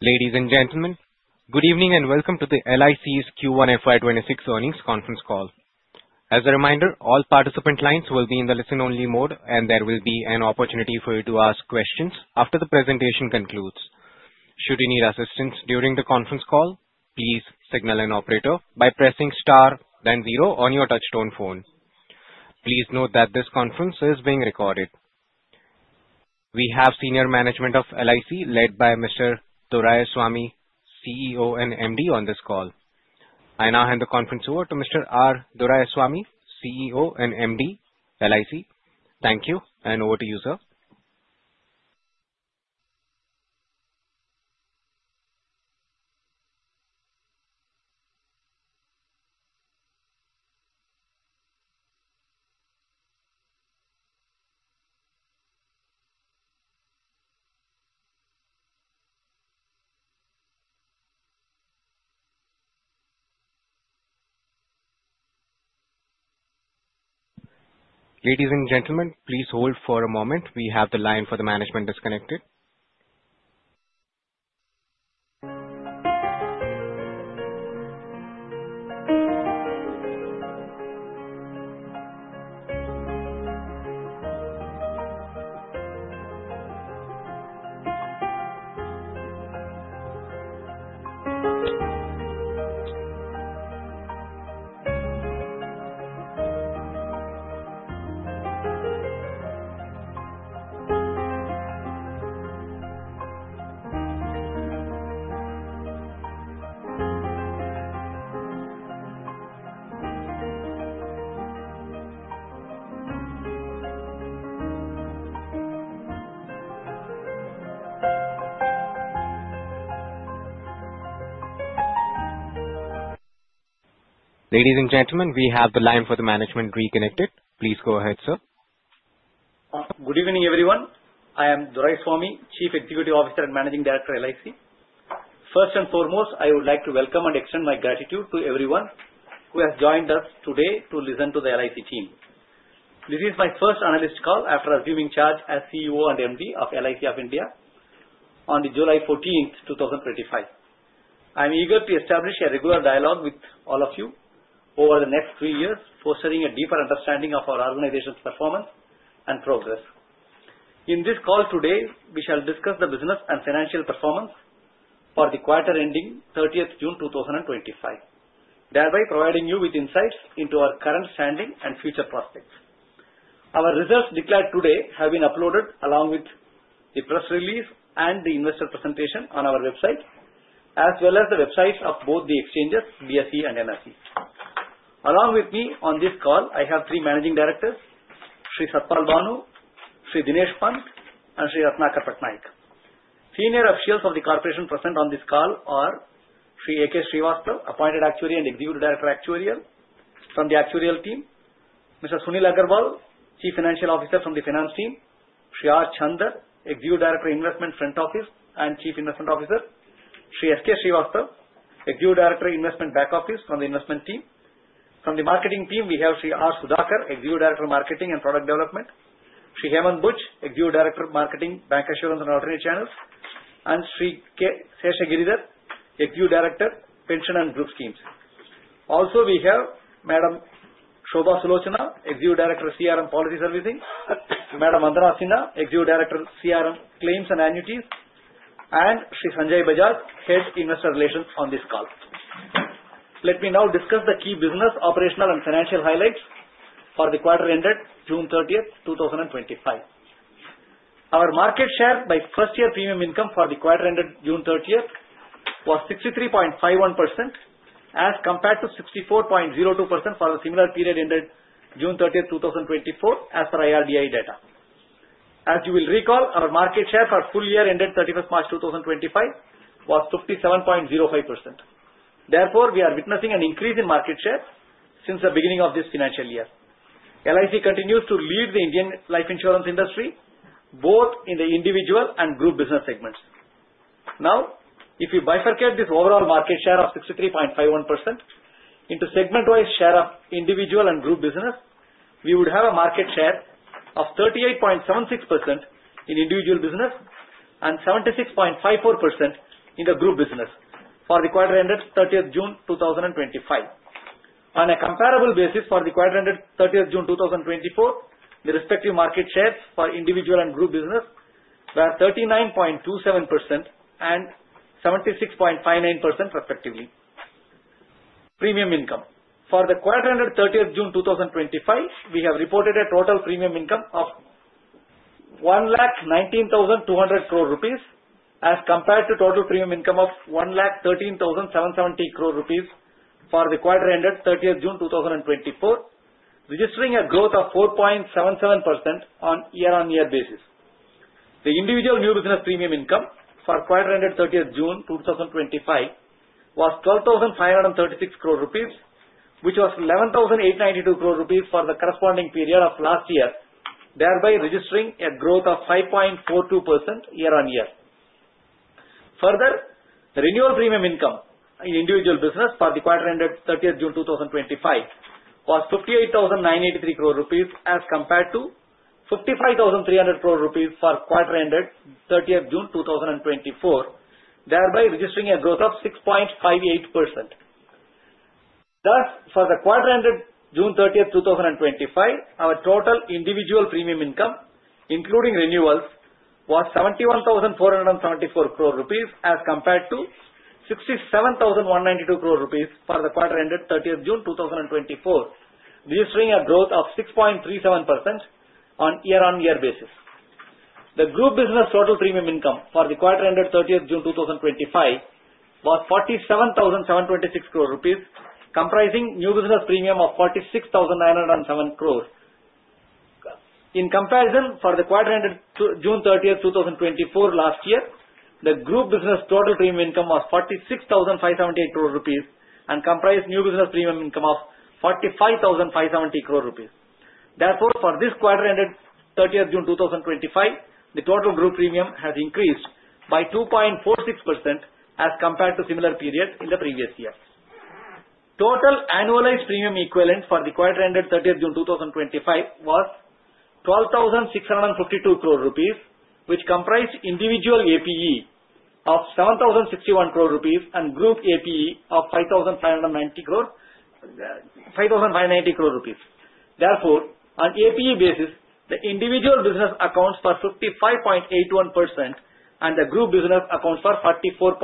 Ladies and gentlemen, good evening and welcome to the LIC's Q1FY26 earnings conference call. As a reminder, all participant lines will be in the listen-only mode, and there will be an opportunity for you to ask questions after the presentation concludes. Should you need assistance during the conference call, please signal an operator by pressing star, then zero on your touch-tone phone. Please note that this conference is being recorded. We have senior management of LIC led by Mr. R. Doraiswamy, CEO and MD, on this call. I now hand the conference over to Mr. R. Doraiswamy, CEO and MD, LIC. Thank you, and over to you, sir. Ladies and gentlemen, please hold for a moment. We have the line for the management disconnected. Ladies and gentlemen, we have the line for the management reconnected. Please go ahead, sir. Good evening, everyone. I am R. Doraiswamy, Chief Executive Officer and Managing Director, LIC. First and foremost, I would like to welcome and extend my gratitude to everyone who has joined us today to listen to the LIC team. This is my first analyst call after assuming charge as CEO and MD of LIC of India on July 14, 2025. I'm eager to establish a regular dialogue with all of you over the next three years, fostering a deeper understanding of our organization's performance and progress. In this call today, we shall discuss the business and financial performance for the quarter ending 30th June 2025, thereby providing you with insights into our current standing and future prospects. Our results declared today have been uploaded along with the press release and the investor presentation on our website, as well as the websites of both the exchanges, BSE and NSE. Along with me on this call, I have three managing directors: Sri Sat Pal Bhanoo, Sri Dinesh Pant, and Sri Ratnakar Patnaik. Senior officials of the corporation present on this call are Sri A.K. Srivastava, Appointed Actuary and Executive Director, Actuarial from the Actuarial team, Mr. Sunil Agrawal, Chief Financial Officer from the Finance team, Sri R. Chander, Executive Director, Investment Front Office and Chief Investment Officer, Sri S. K. Srivastava, Executive Director, Investment Back Office from the Investment team. From the marketing team, we have Sri R. Sudhakar, Executive Director, Marketing and Product Development, Sri Hemant Buch, Executive Director, Marketing, Bancassurance and Alternate Channels, and Sri K. Seshagiridhar, Executive Director, Pension and Group Schemes. Also, we have Madam Shobha Sulochana, Executive Director, CRM Policy Servicing, Madam Vandana Sinha, Executive Director, CRM Claims and Annuities, and Sri Sanjay Bajaj, Head Investor Relations on this call. Let me now discuss the key business, operational, and financial highlights for the quarter ended June 30, 2025. Our market share by first-year premium income for the quarter ended June 30 was 63.51% as compared to 64.02% for the similar period ended June 30, 2024, as per IRDAI data. As you will recall, our market share for full year ended 31st March 2025 was 57.05%. Therefore, we are witnessing an increase in market share since the beginning of this financial year. LIC continues to lead the Indian life insurance industry both in the individual and group business segments. Now, if we bifurcate this overall market share of 63.51% into segment-wise share of individual and group business, we would have a market share of 38.76% in individual business and 76.54% in the group business for the quarter ended 30th June 2025. On a comparable basis for the quarter ended 30th June 2024, the respective market shares for individual and group business were 39.27% and 76.59%, respectively. Premium income for the quarter ended 30th June 2024, we have reported a total premium income of 119,200 crore rupees as compared to total premium income of 113,770 crore rupees for the quarter ended 30th June 2024, registering a growth of 4.77% on year-on-year basis. The individual new business premium income for quarter ended 30th June 2025 was 12,536 crore rupees, which was 11,892 crore rupees for the corresponding period of last year, thereby registering a growth of 5.42% year-on-year. Further, renewal premium income in individual business for the quarter ended 30th June 2025 was 58,983 crore rupees as compared to 55,300 crore rupees for quarter ended 30th June 2024, thereby registering a growth of 6.58%. Thus, for the quarter ended June 30, 2025, our total individual premium income, including renewals, was 71,474 crore rupees as compared to 67,192 crore rupees for the quarter ended 30th June 2024, registering a growth of 6.37% on year-on-year basis. The group business total premium income for the quarter ended 30th June 2025 was 47,726 crore rupees, comprising new business premium of 46,907 crore. In comparison, for the quarter ended June 30, 2024, last year, the group business total premium income was 46,578 crore rupees and comprised new business premium income of 45,570 crore rupees. Therefore, for this quarter ended 30th June 2025, the total group premium has increased by 2.46% as compared to similar period in the previous year. Total annualized premium equivalent for the quarter ended 30th June 2025 was 12,652 crore rupees, which comprised individual APE of 7,061 crore rupees and group APE of 5,590 crore. Therefore, on APE basis, the individual business accounts for 55.81% and the group business accounts for 44.18%.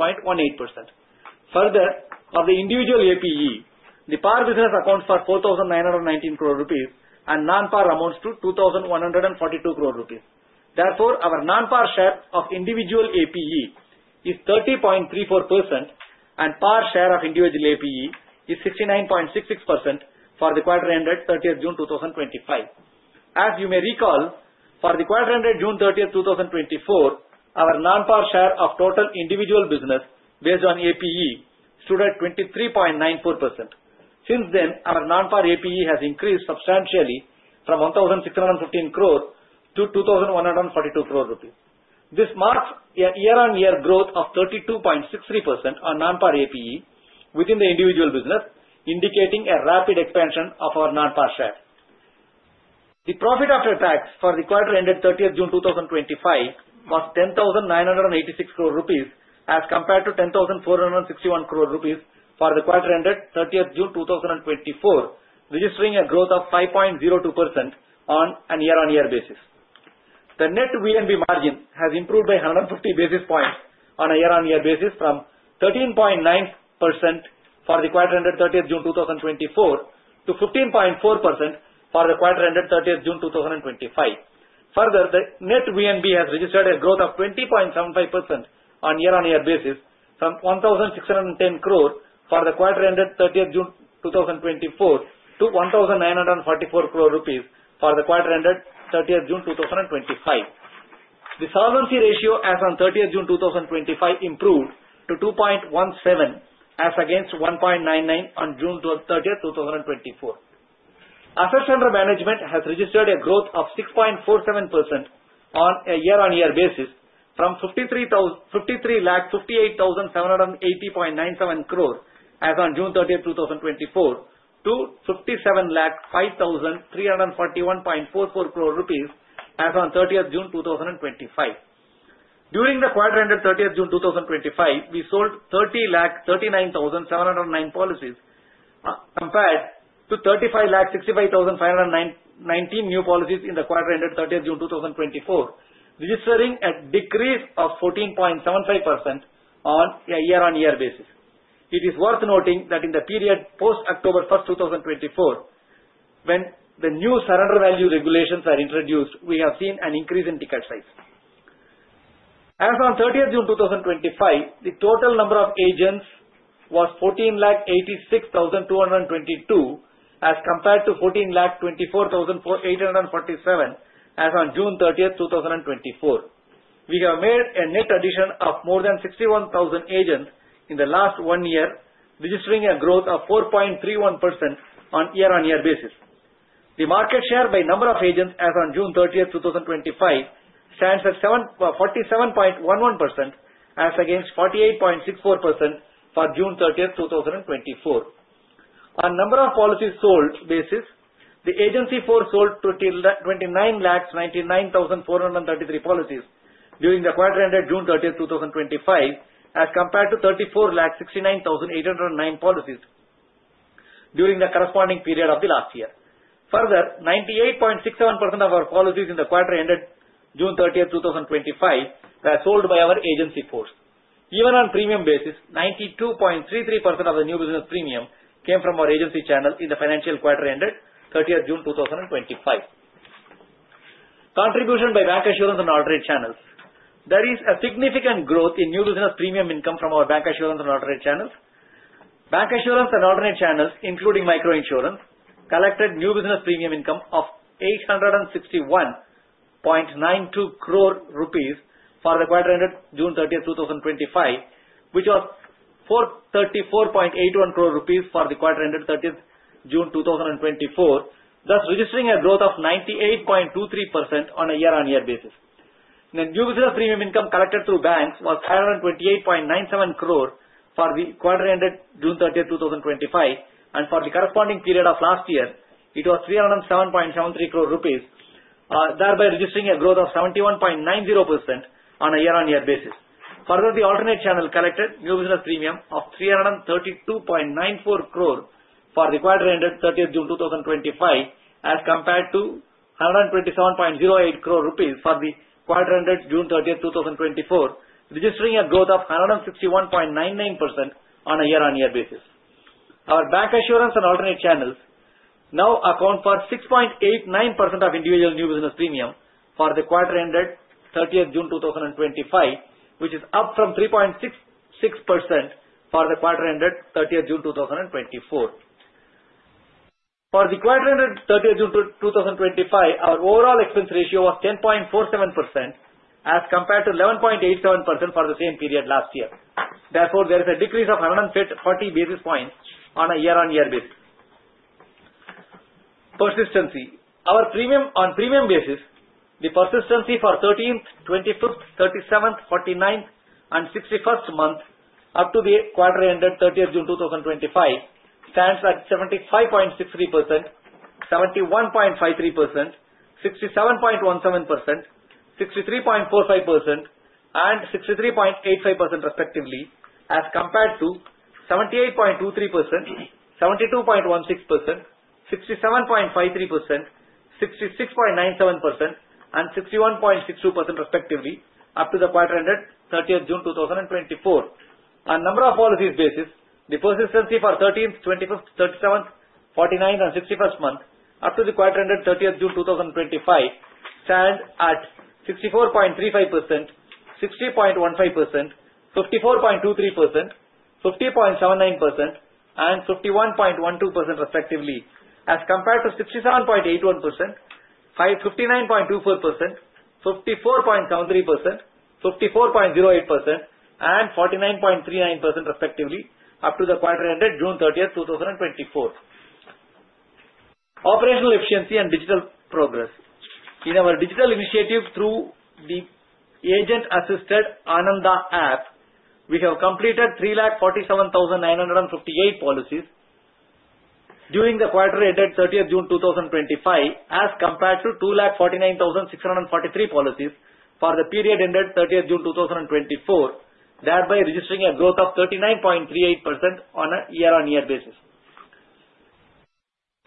Further, of the individual APE, the par business accounts for 4,919 crore rupees and non-par amounts to 2,142 crore rupees. Therefore, our non-par share of individual APE is 30.34% and par share of individual APE is 69.66% for the quarter ended 30th June 2025. As you may recall, for the quarter ended June 30, 2024, our non-par share of total individual business based on APE stood at 23.94%. Since then, our non-par APE has increased substantially from 1,615 crore to 2,142 crore rupees. This marks a year-on-year growth of 32.63% on non-par APE within the individual business, indicating a rapid expansion of our non-par share. The profit after tax for the quarter ended 30th June 2025 was ₹10,986 crore as compared to ₹10,461 crore for the quarter ended 30th June 2024, registering a growth of 5.02% on a year-on-year basis. The net VNB margin has improved by 150 basis points on a year-on-year basis from 13.9% for the quarter ended 30th June 2024 to 15.4% for the quarter ended 30th June 2025. Further, the net VNB has registered a growth of 20.75% on a year-on-year basis from ₹1,610 crore for the quarter ended 30th June 2024 to ₹1,944 crore for the quarter ended 30th June 2025. The solvency ratio as on 30th June 2025 improved to 2.17 as against 1.99 on June 30, 2024. Assets under management has registered a growth of 6.47% on a year-on-year basis from ₹53,58,780.97 crore as on June 30, 2024 to ₹57,05,341.44 crore as on 30th June 2025. During the quarter ended 30th June 2025, we sold 30,39,709 policies compared to 35,65,519 new policies in the quarter ended 30th June 2024, registering a decrease of 14.75% on a year-on-year basis. It is worth noting that in the period post-October 1, 2024, when the new surrender value regulations are introduced, we have seen an increase in ticket size. As on 30th June 2025, the total number of agents was 14,86,222 as compared to 14,24,847 as on June 30, 2024. We have made a net addition of more than 61,000 agents in the last one year, registering a growth of 4.31% on a year-on-year basis. The market share by number of agents as on June 30, 2025 stands at 47.11% as against 48.64% for June 30, 2024. On number of policies sold basis, the agency force sold 2,999,433 policies during the quarter ended June 30, 2025, as compared to 3,469,809 policies during the corresponding period of the last year. Further, 98.67% of our policies in the quarter ended June 30, 2025 were sold by our agency force. Even on premium basis, 92.33% of the new business premium came from our agency channel in the financial quarter ended 30th June 2025. Contribution by bancassurance and alternate channels. There is a significant growth in new business premium income from our bancassurance and alternate channels. Bancassurance and alternate channels, including microinsurance, collected new business premium income of 861.92 crore rupees for the quarter ended June 30, 2025, which was 434.81 crore rupees for the quarter ended 30th June 2024, thus registering a growth of 98.23% on a year-on-year basis. The new business premium income collected through banks was 528.97 crore for the quarter ended June 30, 2025, and for the corresponding period of last year, it was 307.73 crore rupees, thereby registering a growth of 71.90% on a year-on-year basis. Further, the alternate channel collected new business premium of 332.94 crore for the quarter ended 30th June 2025, as compared to 127.08 crore rupees for the quarter ended June 30, 2024, registering a growth of 161.99% on a year-on-year basis. Our bank assurance and alternate channels now account for 6.89% of individual new business premium for the quarter ended 30th June 2025, which is up from 3.66% for the quarter ended 30th June 2024. For the quarter ended 30th June 2025, our overall expense ratio was 10.47% as compared to 11.87% for the same period last year. Therefore, there is a decrease of 140 basis points on a year-on-year basis. Persistency. On premium basis, the persistency for 13th, 25th, 37th, 49th, and 61st month up to the quarter ended 30th June 2025 stands at 75.63%, 71.53%, 67.17%, 63.45%, and 63.85%, respectively, as compared to 78.23%, 72.16%, 67.53%, 66.97%, and 61.62%, respectively, up to the quarter ended 30th June 2024. On number of policies basis, the persistency for 13th, 25th, 37th, 49th, and 61st month up to the quarter ended 30th June 2025 stands at 64.35%, 60.15%, 54.23%, 50.79%, and 51.12%, respectively, as compared to 67.81%, 59.24%, 54.73%, 54.08%, and 49.39%, respectively, up to the quarter ended June 30, 2024. Operational efficiency and digital progress. In our digital initiative through the agent-assisted ANANDA app, we have completed 347,958 policies during the quarter ended 30th June 2025, as compared to 249,643 policies for the period ended 30th June 2024, thereby registering a growth of 39.38% on a year-on-year basis.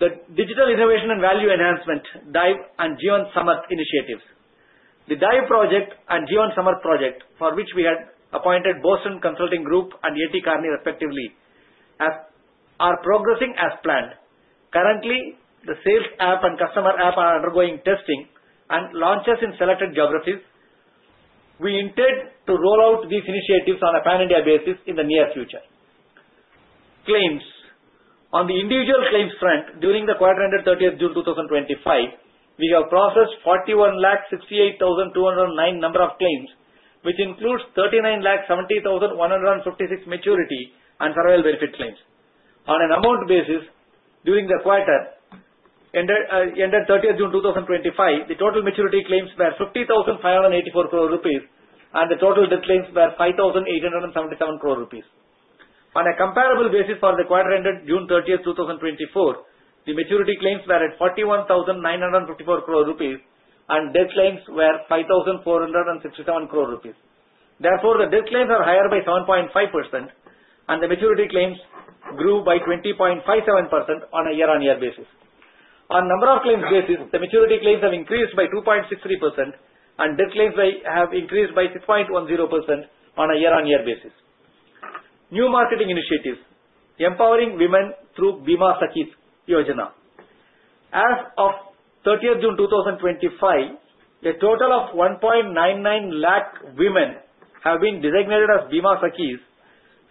The Digital Innovation and Value Enhancement, DIVE, and Jeevan Samarth initiatives. The DIVE project and Jeevan Samarth project, for which we had appointed Boston Consulting Group and Kearney, respectively, are progressing as planned. Currently, the sales app and customer app are undergoing testing and launches in selected geographies. We intend to roll out these initiatives on a pan-India basis in the near future. Claims. On the individual claims front, during the quarter ended 30th June 2025, we have processed 4,168,209 number of claims, which includes 3,970,156 maturity and survival benefit claims. On an amount basis, during the quarter ended 30th June 2025, the total maturity claims were 50,584 crore rupees, and the total death claims were 5,877 crore rupees. On a comparable basis for the quarter ended June 30, 2024, the maturity claims were at 41,954 crore rupees, and death claims were 5,467 crore rupees. Therefore, the death claims are higher by 7.5%, and the maturity claims grew by 20.57% on a year-on-year basis. On number of claims basis, the maturity claims have increased by 2.63%, and death claims have increased by 6.10% on a year-on-year basis. New marketing initiatives. Empowering women through Bima Sakhi Yojana. As of 30th June 2025, a total of 1.99 lakh women have been designated as Bima Sakhis,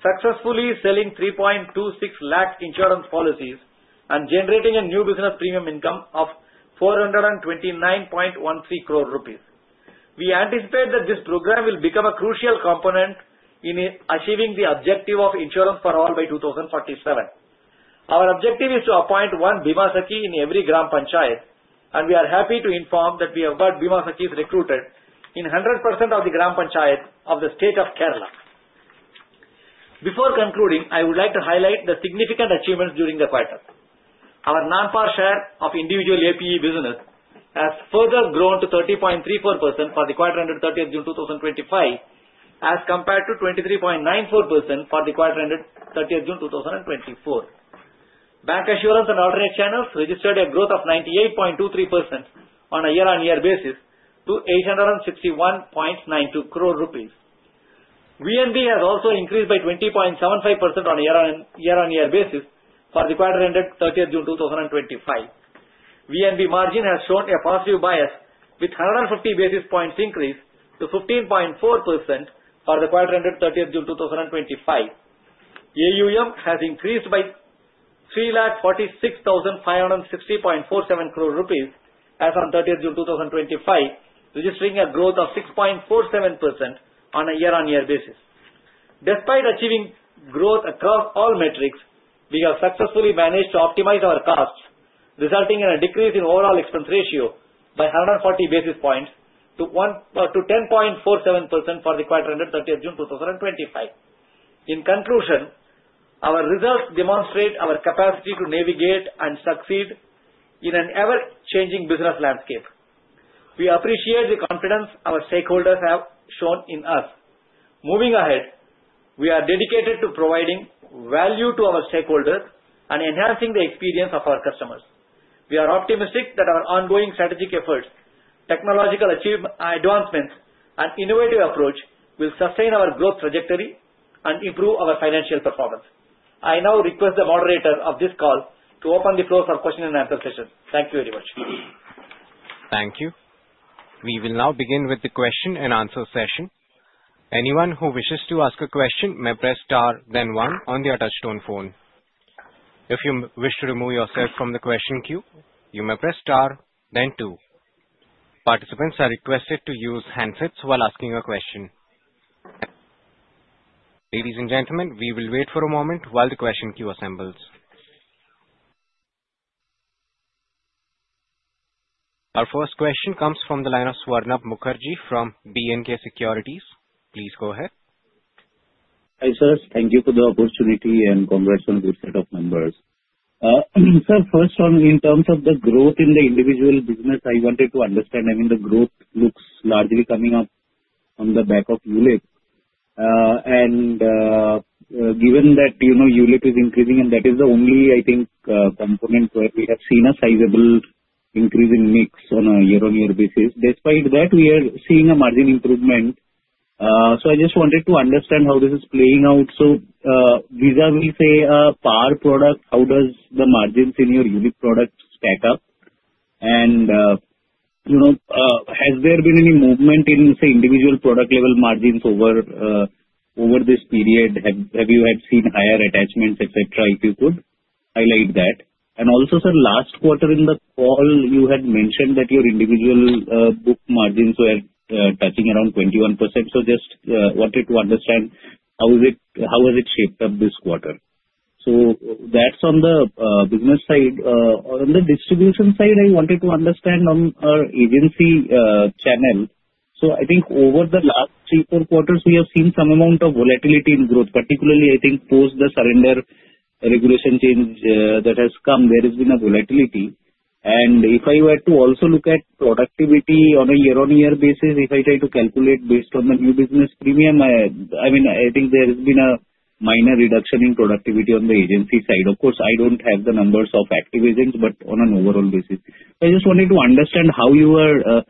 successfully selling 3.26 lakh insurance policies and generating a new business premium income of 429.13 crore rupees. We anticipate that this program will become a crucial component in achieving the objective of insurance for all by 2047. Our objective is to appoint one Bima Sakhi in every gram panchayat, and we are happy to inform that we have got Bima Sakhis recruited in 100% of the gram panchayat of the state of Kerala. Before concluding, I would like to highlight the significant achievements during the quarter. Our non-par share of individual APE business has further grown to 30.34% for the quarter ended 30th June 2025, as compared to 23.94% for the quarter ended 30th June 2024. Bancassurance and alternate channels registered a growth of 98.23% on a year-on-year basis to 861.92 crore rupees. VNB has also increased by 20.75% on a year-on-year basis for the quarter ended 30th June 2025. VNB margin has shown a positive bias with 150 basis points increase to 15.4% for the quarter ended 30th June 2025. AUM has increased by 346,560.47 crore rupees as on 30th June 2025, registering a growth of 6.47% on a year-on-year basis. Despite achieving growth across all metrics, we have successfully managed to optimize our costs, resulting in a decrease in overall expense ratio by 140 basis points to 10.47% for the quarter ended 30th June 2025. In conclusion, our results demonstrate our capacity to navigate and succeed in an ever-changing business landscape. We appreciate the confidence our stakeholders have shown in us. Moving ahead, we are dedicated to providing value to our stakeholders and enhancing the experience of our customers. We are optimistic that our ongoing strategic efforts, technological advancements, and innovative approach will sustain our growth trajectory and improve our financial performance. I now request the moderator of this call to open the floor for question and answer session. Thank you very much. Thank you. We will now begin with the question and answer session. Anyone who wishes to ask a question may press star, then one on the touch-tone phone. If you wish to remove yourself from the question queue, you may press star, then two. Participants are requested to use handsets while asking a question. Ladies and gentlemen, we will wait for a moment while the question queue assembles. Our first question comes from the line of Swarnabh Mukherjee from B&K Securities. Please go ahead. Hi sir. Thank you for the opportunity and congrats on a good set of numbers. Sir, first on in terms of the growth in the individual business, I wanted to understand, I mean, the growth looks largely coming up on the back of ULIP, and given that ULIP is increasing, and that is the only, I think, component where we have seen a sizable increase in NICS on a year-on-year basis. Despite that, we are seeing a margin improvement. I just wanted to understand how this is playing out. Vis-à-vis, say, a PAR product, how does the margins in your ULIP product stack up? And has there been any movement in, say, individual product-level margins over this period? Have you seen higher attachments, etc., if you could highlight that? And also, sir, last quarter in the call, you had mentioned that your individual book margins were touching around 21%. Just wanted to understand how has it shaped up this quarter? That's on the business side. On the distribution side, I wanted to understand on our agency channel. I think over the last three, four quarters, we have seen some amount of volatility in growth, particularly, I think, post the surrender regulation change that has come. There has been a volatility. And if I were to also look at productivity on a year-on-year basis, if I try to calculate based on the new business premium, I mean, I think there has been a minor reduction in productivity on the agency side. Of course, I don't have the numbers of active agents, but on an overall basis. I just wanted to understand how you are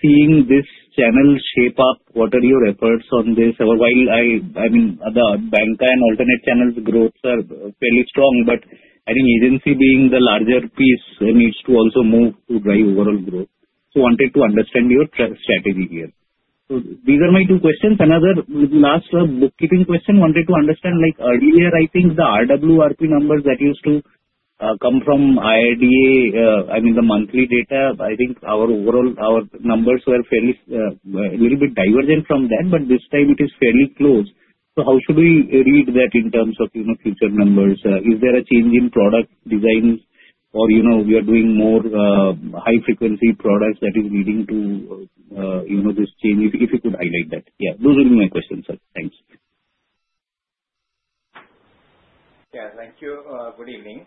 seeing this channel shape up. What are your efforts on this? While I mean, the bank and alternate channels growth are fairly strong, but I think agency being the larger piece needs to also move to drive overall growth. So wanted to understand your strategy here. So these are my two questions. Another last bookkeeping question. Wanted to understand, like earlier, I think the RWRP numbers that used to come from IRDA, I mean, the monthly data, I think our numbers were fairly a little bit divergent from that, but this time it is fairly close. So how should we read that in terms of future numbers? Is there a change in product designs, or we are doing more high-frequency products that is leading to this change? If you could highlight that. Yeah, those would be my questions, sir. Thanks. Yeah, thank you. Good evening.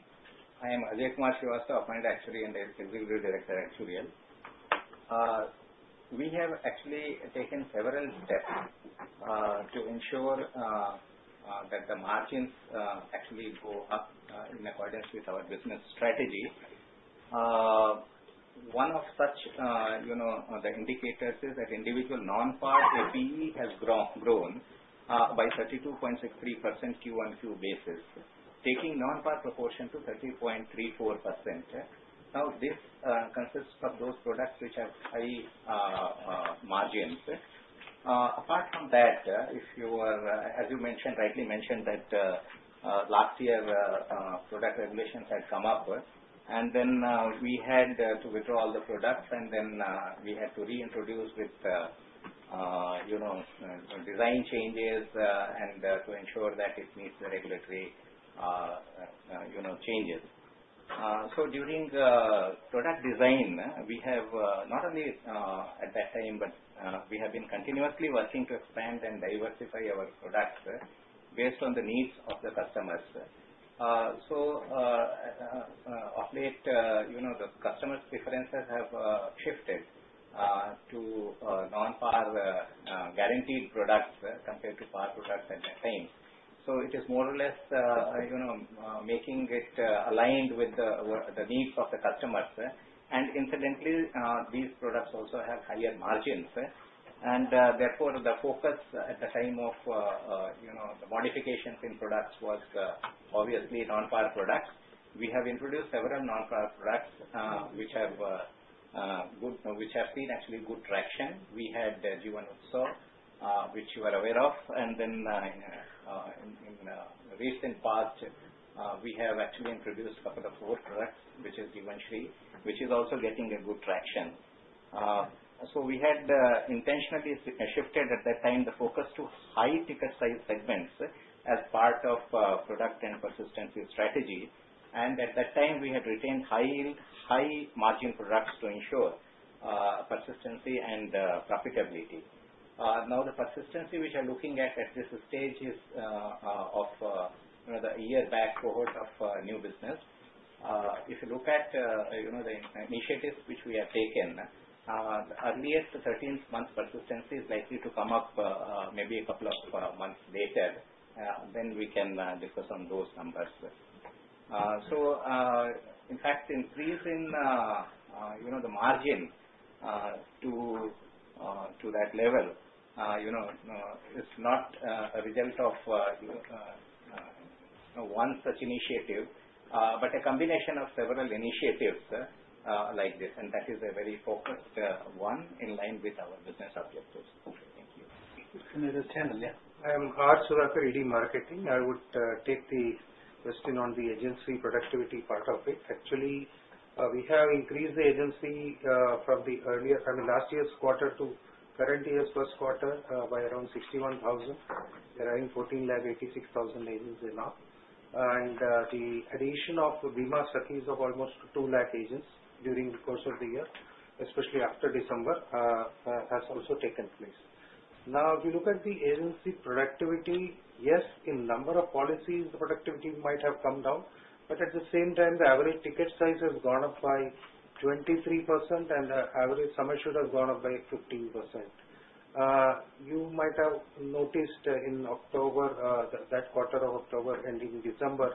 I am Ajay Kumar Srivastava from Actuarial and Executive Director, Actuarial. We have actually taken several steps to ensure that the margins actually go up in accordance with our business strategy. One of such indicators is that individual non-PAR APE has grown by 32.63% Q1Q basis, taking non-PAR proportion to 30.34%. Now, this consists of those products which have high margins. Apart from that, as you mentioned, rightly mentioned that last year product regulations had come up, and then we had to withdraw all the products, and then we had to reintroduce with design changes and to ensure that it meets the regulatory changes. So during product design, we have not only at that time, but we have been continuously working to expand and diversify our products based on the needs of the customers. So of late, the customer's preferences have shifted to non-PAR guaranteed products compared to PAR products at the time. So it is more or less making it aligned with the needs of the customers. And incidentally, these products also have higher margins. And therefore, the focus at the time of the modifications in products was obviously non-PAR products. We have introduced several non-PAR products which have seen actually good traction. We had Jeevan Utsav, which you are aware of, and then in recent past, we have actually introduced a couple of other products, which is Jeevan Shree, which is also getting good traction, so we had intentionally shifted at that time the focus to high ticket size segments as part of product and persistency strategy, and at that time, we had retained high-margin products to ensure persistency and profitability. Now, the persistency which I'm looking at at this stage is of the year-back cohort of new business. If you look at the initiatives which we have taken, the earliest 13th month persistency is likely to come up maybe a couple of months later, then we can discuss on those numbers, so in fact, increasing the margin to that level is not a result of one such initiative, but a combination of several initiatives like this. And that is a very focused one in line with our business objectives. Thank you. Can I just channel? Yeah. I am R. Sudhakar, ED Marketing. I would take the question on the agency productivity part of it. Actually, we have increased the agency from the earlier, I mean, last year's quarter to current year's first quarter by around 61,000. We are adding 14,000-15,000 agents now. And the addition of Bima Sakhis of almost two lakh agents during the course of the year, especially after December, has also taken place. Now, if you look at the agency productivity, yes, in number of policies, the productivity might have come down. But at the same time, the average ticket size has gone up by 23%, and the average sum assured has gone up by 15%. You might have noticed in October, that quarter of October ending December,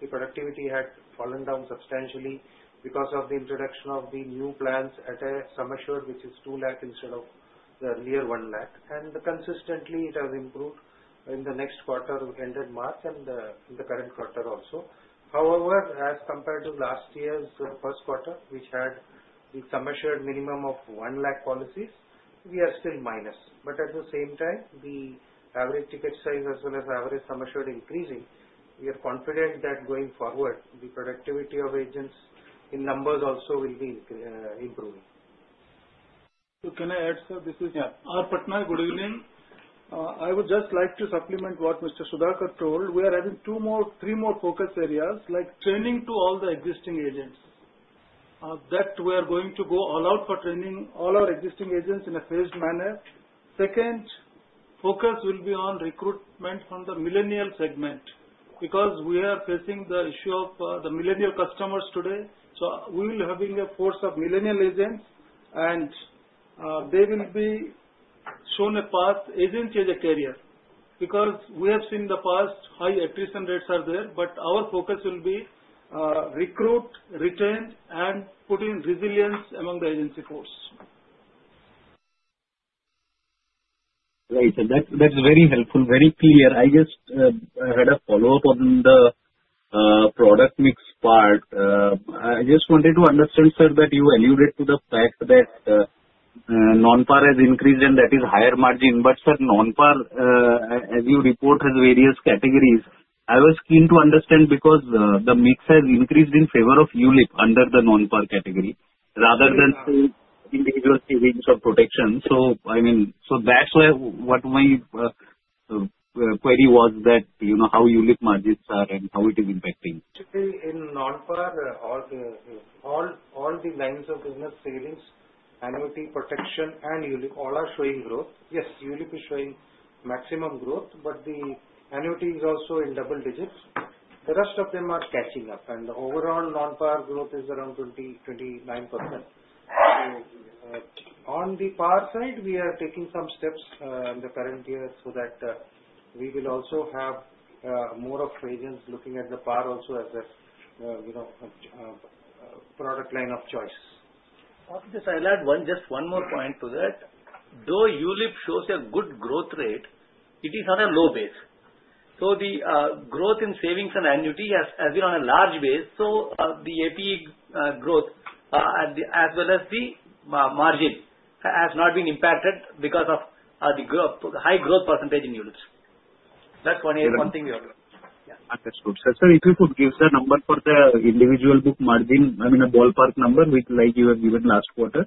the productivity had fallen down substantially because of the introduction of the new plans at a sum assured, which is two lakh instead of the earlier one lakh. And consistently, it has improved in the next quarter ended March and the current quarter also. However, as compared to last year's first quarter, which had the sum assured minimum of one lakh policies, we are still minus. But at the same time, the average ticket size as well as average sum assured increasing, we are confident that going forward, the productivity of agents in numbers also will be improving. So can I add, sir? This is Ratnakar Patnaik. Good evening. I would just like to supplement what Mr. Sudhakar told. We are having three more focus areas, like training to all the existing agents. That we are going to go all out for training all our existing agents in a phased manner. Second, focus will be on recruitment from the millennial segment because we are facing the issue of the millennial customers today. So we will be having a force of millennial agents, and they will be shown a path. Agency as a career because we have seen the past high attrition rates are there, but our focus will be recruit, retain, and put in resilience among the agency force. Right. That's very helpful, very clear. I just had a follow-up on the product mix part. I just wanted to understand, sir, that you alluded to the fact that non-PAR has increased and that is higher margin. But sir, non-PAR, as you report, has various categories.I was keen to understand because the mix has increased in favor of ULIP under the non-PAR category rather than individual savings or protection. So, I mean, so that's why what my query was that how ULIP margins are and how it is impacting. Actually, in non-PAR, all the lines of business savings, annuity, protection, and ULIP all are showing growth. Yes, ULIP is showing maximum growth, but the annuity is also in double digits. The rest of them are catching up, and the overall non-PAR growth is around 29%. So on the PAR side, we are taking some steps in the current year so that we will also have more of agents looking at the PAR also as a product line of choice. Just I'll add just one more point to that. Though ULIP shows a good growth rate, it is on a low base. The growth in savings and annuity has been on a large base. The APE growth as well as the margin has not been impacted because of the high growth percentage in ULIP. That's one thing we are doing. Yeah. Understood. Sir, if you could give the number for the individual book margin, I mean, a ballpark number like you have given last quarter,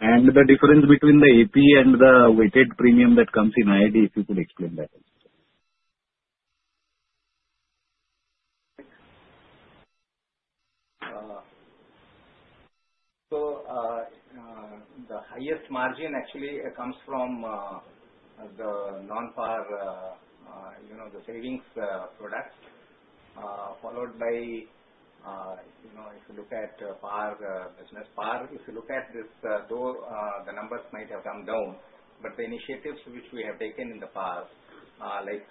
and the difference between the APE and the weighted premium that comes in IRDAI, if you could explain that. The highest margin actually comes from the non-par, the savings products, followed by if you look at PAR business. PAR, if you look at this, though the numbers might have come down, but the initiatives which we have taken in the PAR, like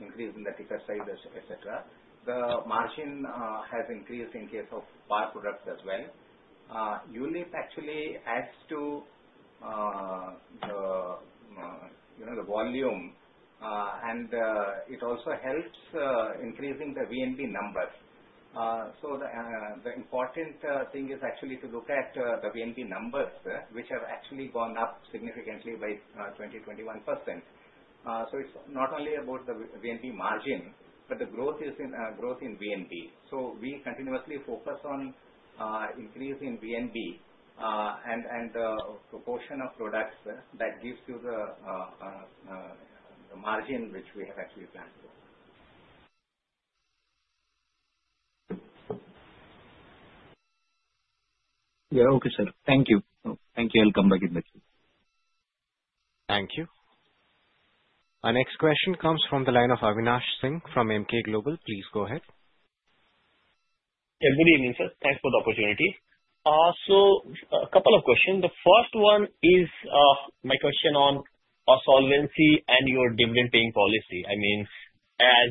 increase in the ticket size, etc., the margin has increased in case of PAR products as well. ULIP actually adds to the volume, and it also helps increasing the VNB numbers. So the important thing is actually to look at the VNB numbers, which have actually gone up significantly by 20-21%. So it's not only about the VNB margin, but the growth is in VNB. So we continuously focus on increasing VNB and the proportion of products that gives you the margin which we have actualy planned to go. Yeah, okay, sir. Thank you. Thank you. I'll come back in the Q. Thank you. Our next question comes from the line of Avinash Singh from Emkay Global. Please go ahead. Yeah, good evening, sir. Thanks for the opportunity. So a couple of questions. The first one is my question on solvency and your dividend-paying policy. I mean, as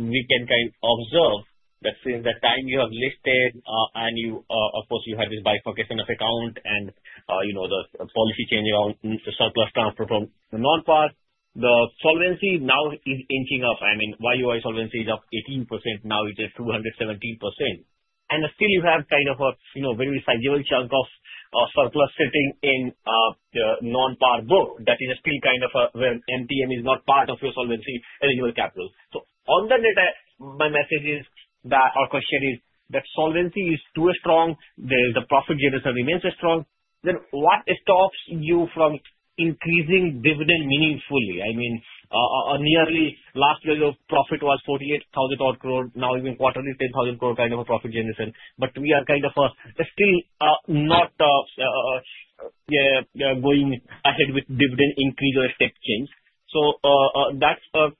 we can kind of observe that since that time you have listed, and of course, you have this bifurcation of account and the policy change around surplus transfer from non-Par, the solvency now is inching up. I mean, LIC solvency is up 18%. Now it is 217%. And still, you have kind of a very sizable chunk of surplus sitting in the non-Par book that is still kind of where MTM is not part of your solvency eligible capital. So on that data, my message is that our question is that solvency is too strong. The profit generation remains strong. Then what stops you from increasing dividend meaningfully? I mean, nearly last year, your profit was 48,000-odd crore. Now, even quarterly, 10,000-odd crore kind of a profit generation. But we are kind of still not going ahead with dividend increase or a step change. So that's the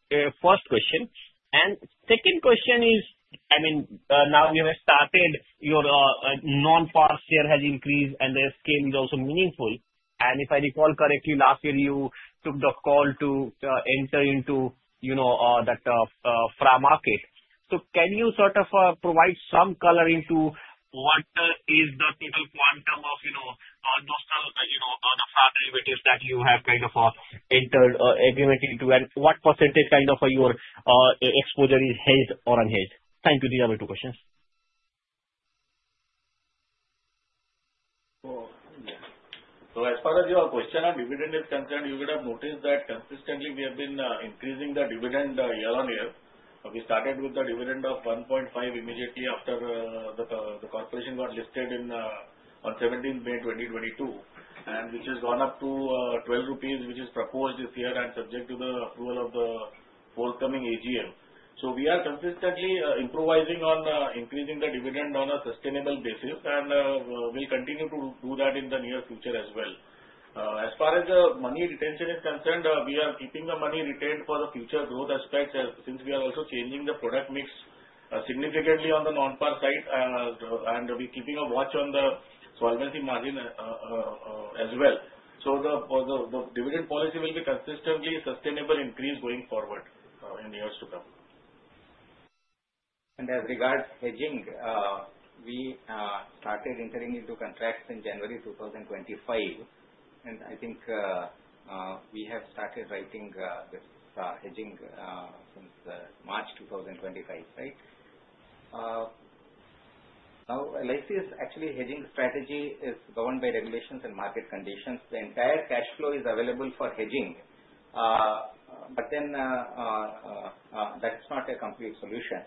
first question. And second question is, I mean, now you have started your non-par share has increased, and the scale is also meaningful. And if I recall correctly, last year you took the call to enter into that FRA market. So can you sort of provide some color into what is the total quantum of the FRA derivatives that you have kind of entered or agreement into, and what percentage kind of your exposure is hedged or unhedged? Thank you. These are my two questions. So as far as your question on dividend is concerned, you would have noticed that consistently we have been increasing the dividend year on year. We started with the dividend of 1.5 immediately after the corporation got listed on 17 May 2022, and which has gone up to 12 rupees, which is proposed this year and subject to the approval of the forthcoming AGM. So we are consistently improvising on increasing the dividend on a sustainable basis and will continue to do that in the near future as well. As far as the money retention is concerned, we are keeping the money retained for the future growth aspects since we are also changing the product mix significantly on the non-PAR side, and we are keeping a watch on the solvency margin as well. So the dividend policy will be consistently sustainable increase going forward in the years to come. And as regards hedging, we started entering into contracts in January 2025, and I think we have started writing this hedging since March 2025, right? Now, LIC's actually hedging strategy is governed by regulations and market conditions. The entire cash flow is available for hedging, but then that's not a complete solution.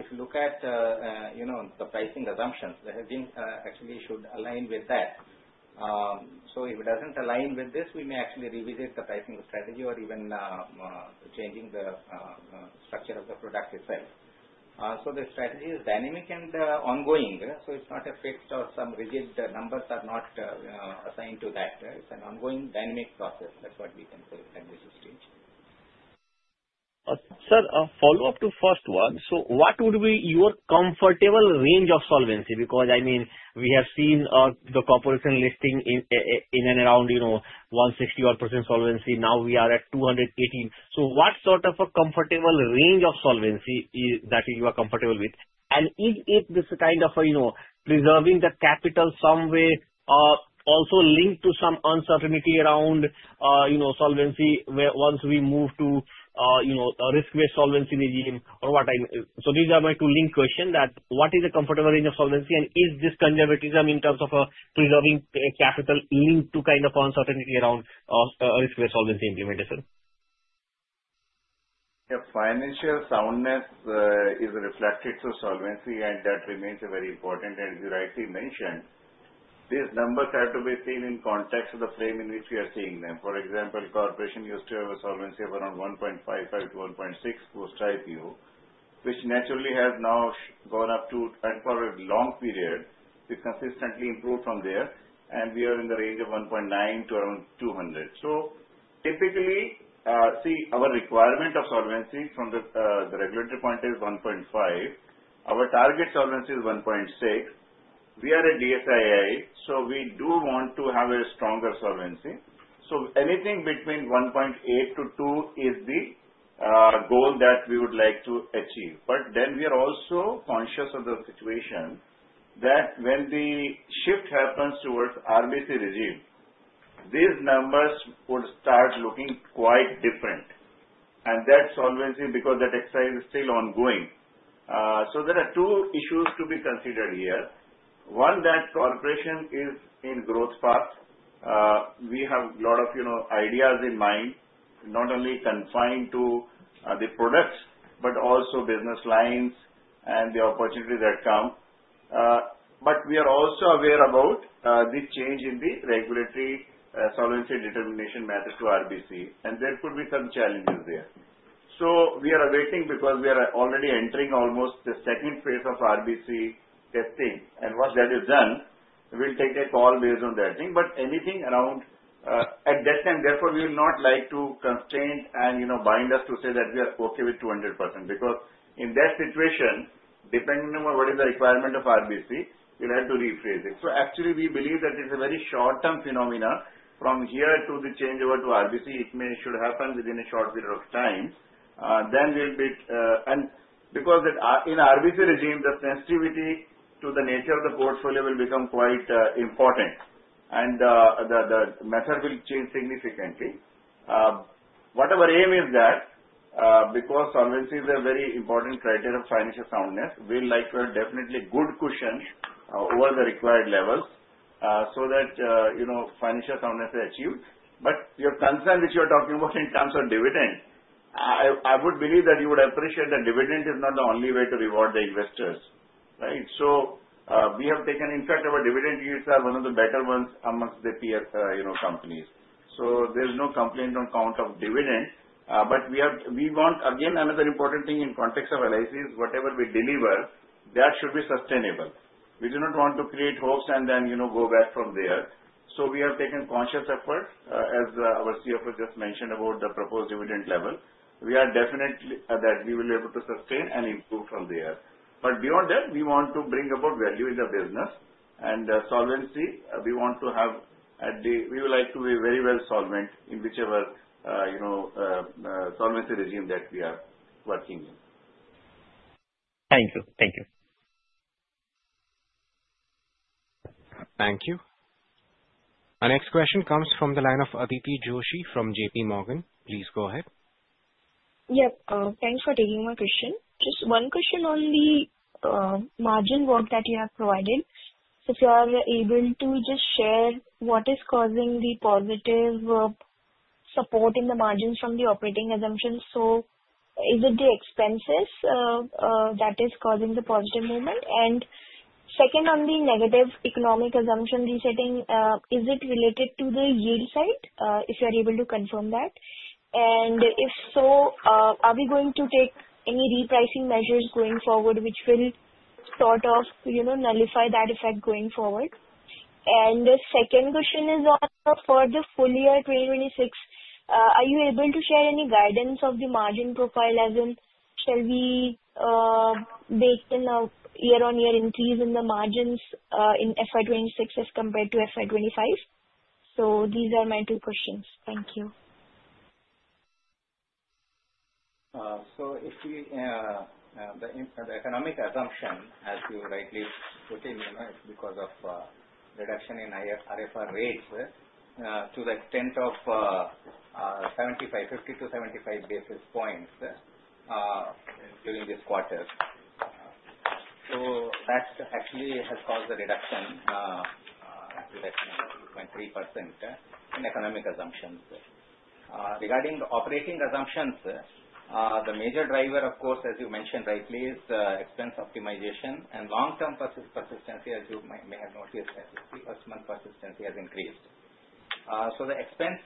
If you look at the pricing assumptions, the hedging actually should align with that. So if it doesn't align with this, we may actually revisit the pricing strategy or even changing the structure of the product itself. So the strategy is dynamic and ongoing. So it's not a fixed or some rigid numbers are not assigned to that. It's an ongoing dynamic process. That's what we can say at this stage. Sir, a follow-up to the first one. So what would be your comfortable range of solvency? Because I mean, we have seen the Corporation listing in and around 160-odd% solvency. Now we are at 218%. So what sort of a comfortable range of solvency that you are comfortable with? Is it this kind of preserving the capital somewhere also linked to some uncertainty around solvency once we move to a risk-based solvency regime or what? These are my two linked questions that what is the comfortable range of solvency, and is this conservatism in terms of preserving capital linked to kind of uncertainty around risk-based solvency implementation? Yeah. Financial soundness is reflected through solvency, and that remains very important. As you rightly mentioned, these numbers have to be seen in context of the frame in which we are seeing them. For example, the corporation used to have a solvency of around 1.55-1.6 post-IPO, which naturally has now gone up over a long period. We've consistently improved from there, and we are in the range of 1.9 to around 2.00. Typically, see, our requirement of solvency from the regulatory point is 1.5. Our target solvency is 1.6. We are a D-SII, so we do want to have a stronger solvency. So anything between 1.8-2 is the goal that we would like to achieve. But then we are also conscious of the situation that when the shift happens towards RBC regime, these numbers would start looking quite different. And that's solvency because that exercise is still ongoing. So there are two issues to be considered here. One, that corporation is in growth path. We have a lot of ideas in mind, not only confined to the products but also business lines and the opportunities that come. But we are also aware about the change in the regulatory solvency determination method to RBC, and there could be some challenges there. So we are awaiting because we are already entering almost the second phase of RBC testing. And once that is done, we'll take a call based on that thing. But anything around at that time, therefore, we will not like to constrain and bind us to say that we are okay with 200% because in that situation, depending on what is the requirement of RBC, we'll have to rephrase it. So actually, we believe that it's a very short-term phenomena. From here to the changeover to RBC, it should happen within a short period of time. Then we'll be and because in RBC regime, the sensitivity to the nature of the portfolio will become quite important, and the method will change significantly. What our aim is that because solvency is a very important criteria of financial soundness, we'll likewhere definitely good cushion over the required levels so that financial soundness is achieved. But your concern, which you are talking about in terms of dividend, I would believe that you would appreciate that dividend is not the only way to reward the investors, right? So we have taken, in fact, our dividend yields are one of the better ones among the companies. So there's no complaint on account of dividend. But we want, again, another important thing in context of LIC's, whatever we deliver, that should be sustainable. We do not want to create hopes and then go back from there. So we have taken conscious effort, as our CFO just mentioned about the proposed dividend level. We are definite that we will be able to sustain and improve from there. But beyond that, we want to bring about value in the business. And solvency, we want to have at the we would like to be very well solvent in whichever solvency regime that we are working in. Thank you. Thank you. Thank you. Our next question comes from the line of Aditi Joshi from JP Morgan. Please go ahead. Yep. Thanks for taking my question. Just one question on the margin work that you have provided. If you are able to just share what is causing the positive support in the margins from the operating assumptions. So is it the expenses that is causing the positive movement? And second, on the negative economic assumption resetting, is it related to the yield side? If you are able to confirm that. And if so, are we going to take any repricing measures going forward which will sort of nullify that effect going forward? And the second question is for the full year 2026.Are you able to share any guidance of the margin profile as in shall we make a year-on-year increase in the margins in FY26 as compared to FY25? So these are my two questions. Thank you. So the economic assumption, as you rightly put in, is because of reduction in RFR rates to the extent of 50-75 basis points during this quarter. So that actually has caused the reduction to the extent of 2.3% in economic assumptions. Regarding the operating assumptions, the major driver, of course, as you mentioned rightly, is expense optimization and long-term persistency, as you may have noticed, as the first-month persistency has increased. So the expense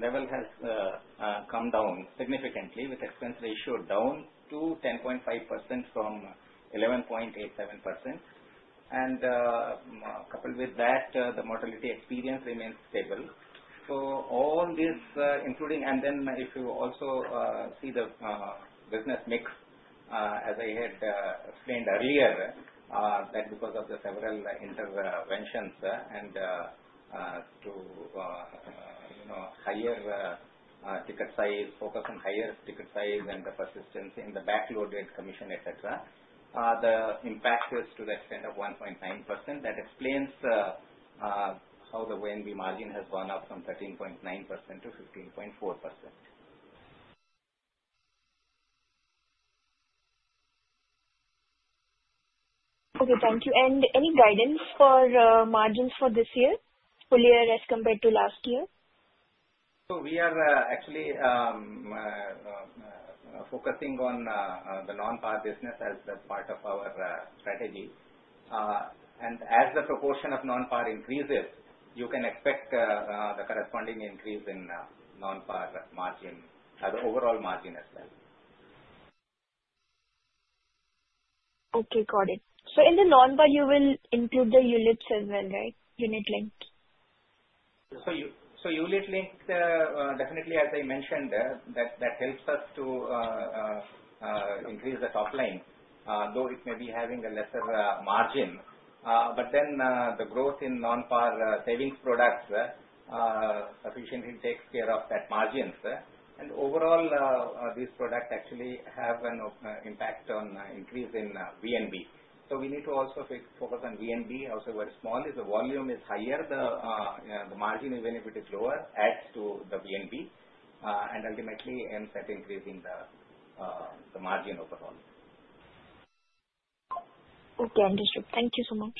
level has come down significantly, with expense ratio down to 10.5% from 11.87%. And coupled with that, the mortality experience remains stable. So all this, including and then if you also see the business mix, as I had explained earlier, that because of the several interventions and to higher ticket size, focus on higher ticket size and the persistency in the backloaded commission, etc., the impact is to the extent of 1.9%. That explains how the VNB margin has gone up from 13.9% to 15.4%. Okay. Thank you. And any guidance for margins for this year, full year as compared to last year? So we are actually focusing on the non-par business as part of our strategy. And as the proportion of non-par increases, you can expect the corresponding increase in non-par margin, the overall margin as well. Okay. Got it. So in the non-par, you will include the units as well, right? Unit linked? So unit linked, definitely, as I mentioned, that helps us to increase the top line, though it may be having a lesser margin. But then the growth in non-PAR savings products efficiently takes care of that margin. And overall, these products actually have an impact on increase in VNB. So we need to also focus on VNB, also very small. If the volume is higher, the margin even if it is lower adds to the VNB and ultimately ends at increasing the margin overall. Okay. Understood. Thank you so much.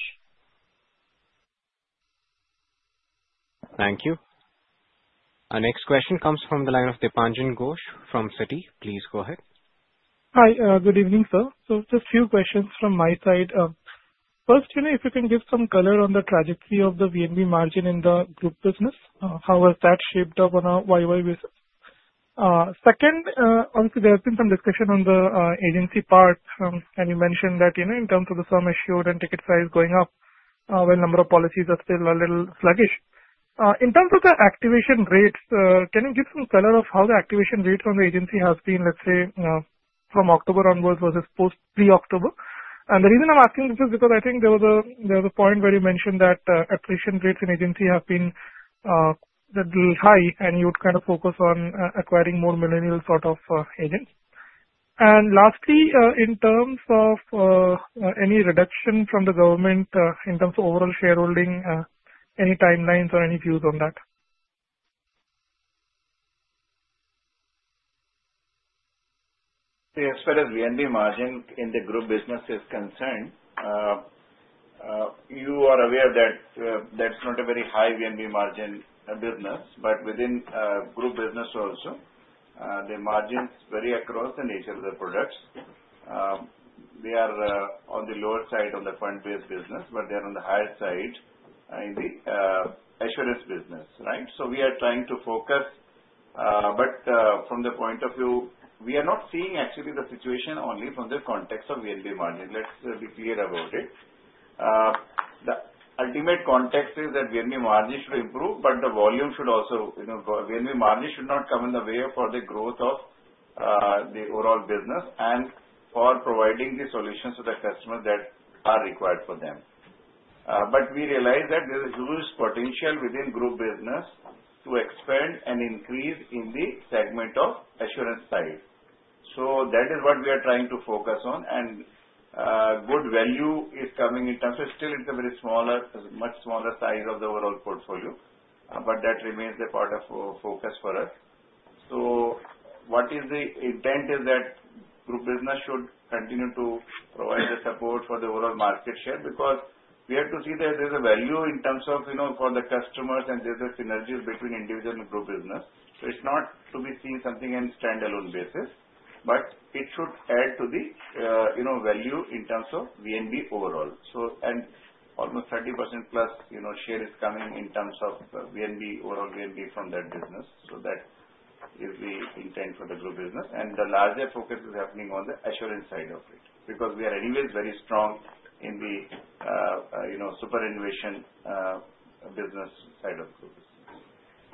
Thank you. Our next question comes from the line of Dipanjan Ghosh from Citi. Please go ahead. Hi. Good evening, sir. So just a few questions from my side. First, if you can give some color on the trajectory of the VNB margin in the group business, how has that shaped up on a YY basis? Second, obviously, there has been some discussion on the agency part, and you mentioned that in terms of the sum assured and ticket size going up, while a number of policies are still a little sluggish. In terms of the activation rates, can you give some color on how the activation rates on the agency have been, let's say, from October onwards versus pre-October? And the reason I'm asking this is because I think there was a point where you mentioned that attrition rates in agency have been a little high, and you would kind of focus on acquiring more millennial sort of agents. And lastly, in terms of any reduction from the government in terms of overall shareholding, any timelines or any views on that? Yes. Whereas VNB margin in the group business is concerned, you are aware that that's not a very high VNB margin business. But within group business also, the margins vary across the nature of the products. They are on the lower side on the fund-based business, but they are on the higher side in the assurance business, right? So we are trying to focus. But from the point of view, we are not seeing actually the situation only from the context of VNB margin. Let's be clear about it. The ultimate context is that VNB margin should improve, but the volume should also, VNB margin should not come in the way of the growth of the overall business and for providing the solutions to the customers that are required for them. But we realize that there's a huge potential within group business to expand and increase in the segment of assurance side. So that is what we are trying to focus on. Good value is coming in terms of still, it's a very smaller, much smaller size of the overall portfolio, but that remains the part of focus for us. So what is the intent is that group business should continue to provide the support for the overall market share because we have to see that there's a value in terms of for the customers and there's a synergy between individual and group business. So it's not to be seen something on a standalone basis, but it should add to the value in terms of VNB overall. And almost 30% plus share is coming in terms of VNB, overall VNB from that business. So that is the intent for the group business. And the larger focus is happening on the assurance side of it because we are anyways very strong in the superannuation business side of the group business.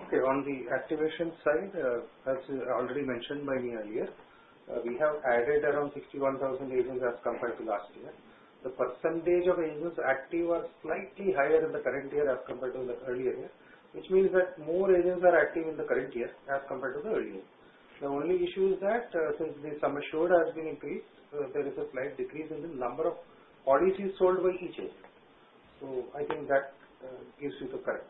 Okay.On the activation side, as already mentioned by me earlier, we have added around 61,000 agents as compared to last year. The percentage of agents active are slightly higher in the current year as compared to the earlier year, which means that more agents are active in the current year as compared to the earlier year. The only issue is that since the sum assured has been increased, there is a slight decrease in the number of policies sold by each agent. So I think that gives you the correct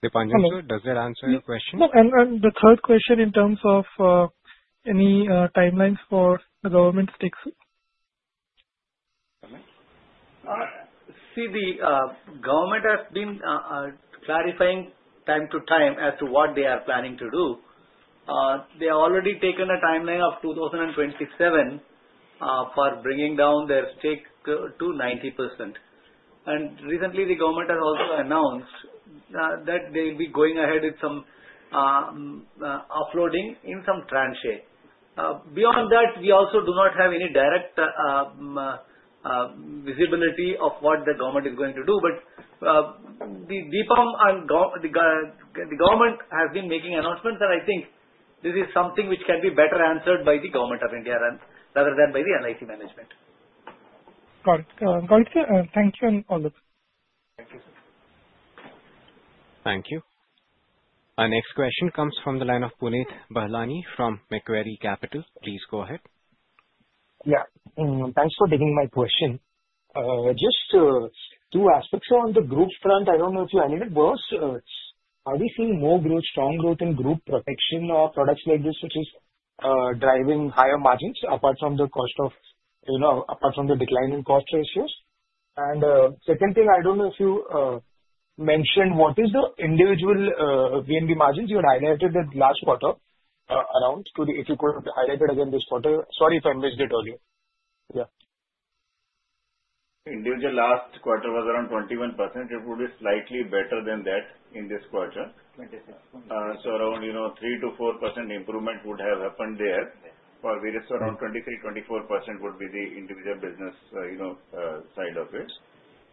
picture. Dipanjan sir, does that answer your question? No. And the third question in terms of any timelines for the government's stake? See, the government has been clarifying from time to time as to what they are planning to do. They have already taken a timeline of 2027 for bringing down their stake to 90%.Recently, the government has also announced that they will be going ahead with some offloading in some tranche. Beyond that, we also do not have any direct visibility of what the government is going to do. But the government has been making announcements that I think this is something which can be better answered by the Government of India rather than by the LIC management. Got it. Got it. Thank you and all the best. Thank you, sir. Thank you. Our next question comes from the line of Punit Bahlani from Macquarie Capital. Please go ahead. Yeah. Thanks for taking my question. Just two aspects on the group front. I don't know if you added it, but are we seeing more growth, strong growth in group protection or products like this which is driving higher margins apart from the decline in cost ratios? And second thing, I don't know if you mentioned what is the individual VNB margins. You had highlighted it last quarter around if you could highlight it again this quarter. Sorry if I missed it earlier. Yeah. Individual last quarter was around 21%. It would be slightly better than that in this quarter. So around 3%-4% improvement would have happened there. For various around 23%-24% would be the individual business side of it.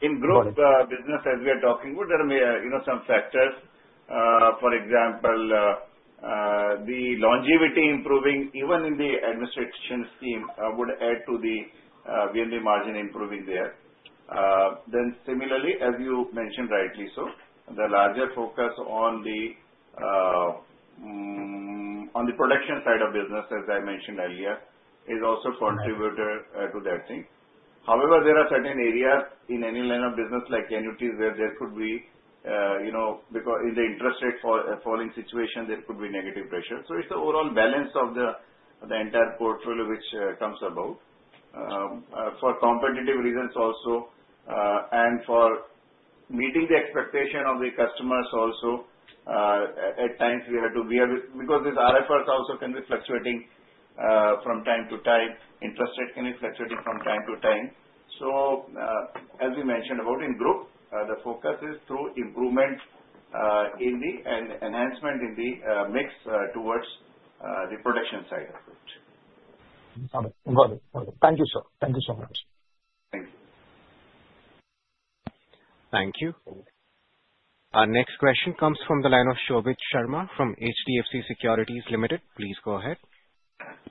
In group business, as we are talking, there are some factors. For example, the longevity improving even in the administration scheme would add to the VNB margin improving there. Then similarly, as you mentioned rightly so, the larger focus on the production side of business, as I mentioned earlier, is also contributor to that thing. However, there are certain areas in any line of business like annuities where there could be in the interest rate falling situation, there could be negative pressure. So it's the overall balance of the entire portfolio which comes about for competitive reasons also and for meeting the expectation of the customers also. At times, we had to be because these RFRs also can be fluctuating from time to time. Interest rate can be fluctuating from time to time. So as we mentioned about in group, the focus is through improvement in the enhancement in the mix towards the protection side of it. Got it. Got it. Got it. Thank you, sir. Thank you so much. Thank you. Thank you. Our next question comes from the line of Shobhit Sharma from HDFC Securities Limited. Please go ahead.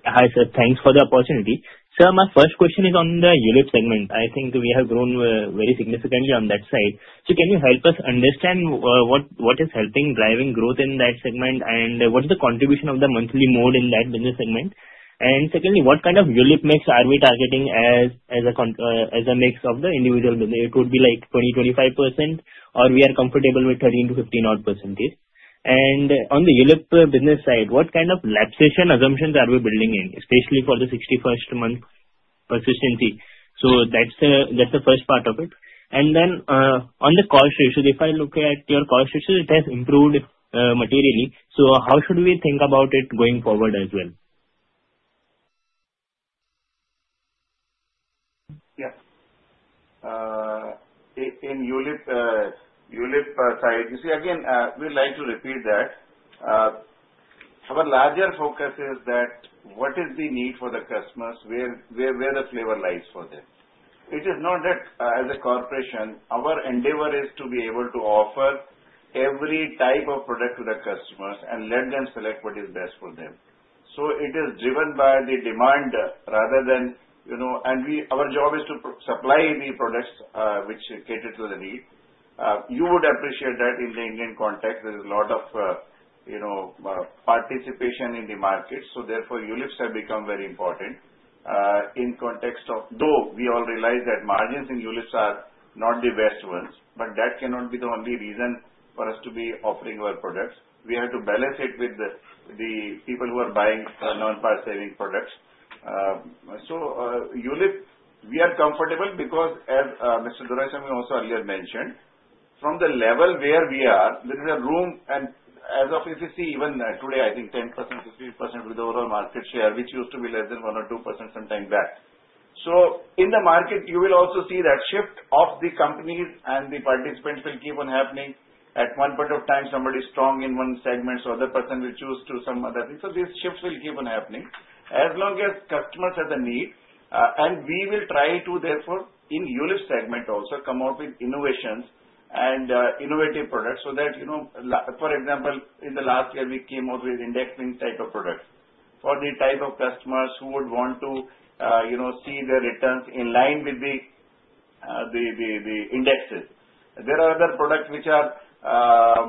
Hi sir. Thanks for the opportunity. Sir, my first question is on the unit segment. I think we have grown very significantly on that side. So can you help us understand what is helping driving growth in that segment and what is the contribution of the monthly mode in that business segment? And secondly, what kind of unit mix are we targeting as a mix of the individual business? It would be like 20-25%, or we are comfortable with 13-15-odd %. And on the unit business side, what kind of lapse assumptions are we building in, especially for the 61st month persistency? So that's the first part of it. And then on the cost ratio, if I look at your cost ratio, it has improved materially. So how should we think about it going forward as well? Yeah. In unit side, you see, again, we'd like to repeat that. Our larger focus is that what is the need for the customers, where the flavor lies for them. It is not that as a corporation, our endeavor is to be able to offer every type of product to the customers and let them select what is best for them. So it is driven by the demand rather than and our job is to supply the products which cater to the need. You would appreciate that in the Indian context. There is a lot of participation in the market. So therefore, units have become very important in context of though we all realize that margins in units are not the best ones, but that cannot be the only reason for us to be offering our products. We have to balance it with the people who are buying non-PAR saving products. So unit, we are comfortable because, as Mr.Doraiswamy also earlier mentioned, from the level where we are, there is a room and as of if you see even today, I think 10%, 15% with the overall market share, which used to be less than 1% or 2% some time back. In the market, you will also see that shift of the companies and the participants will keep on happening. At one point of time, somebody's strong in one segment, so other person will choose to some other thing. These shifts will keep on happening as long as customers have the need. We will try to, therefore, in unit segment also come out with innovations and innovative products so that, for example, in the last year, we came out with indexing type of products for the type of customers who would want to see their returns in line with the indexes. There are other products which are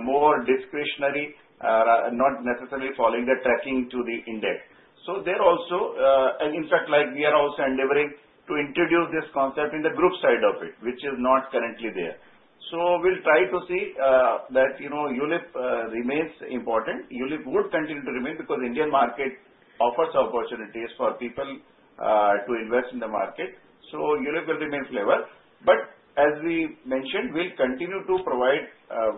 more discretionary, not necessarily following the tracking to the index, so there also, in fact, we are also endeavoring to introduce this concept in the group side of it, which is not currently there, so we'll try to see that unit remains important. ULIP would continue to remain because Indian market offers opportunities for people to invest in the market, so unit will remain flavor, but as we mentioned, we'll continue to provide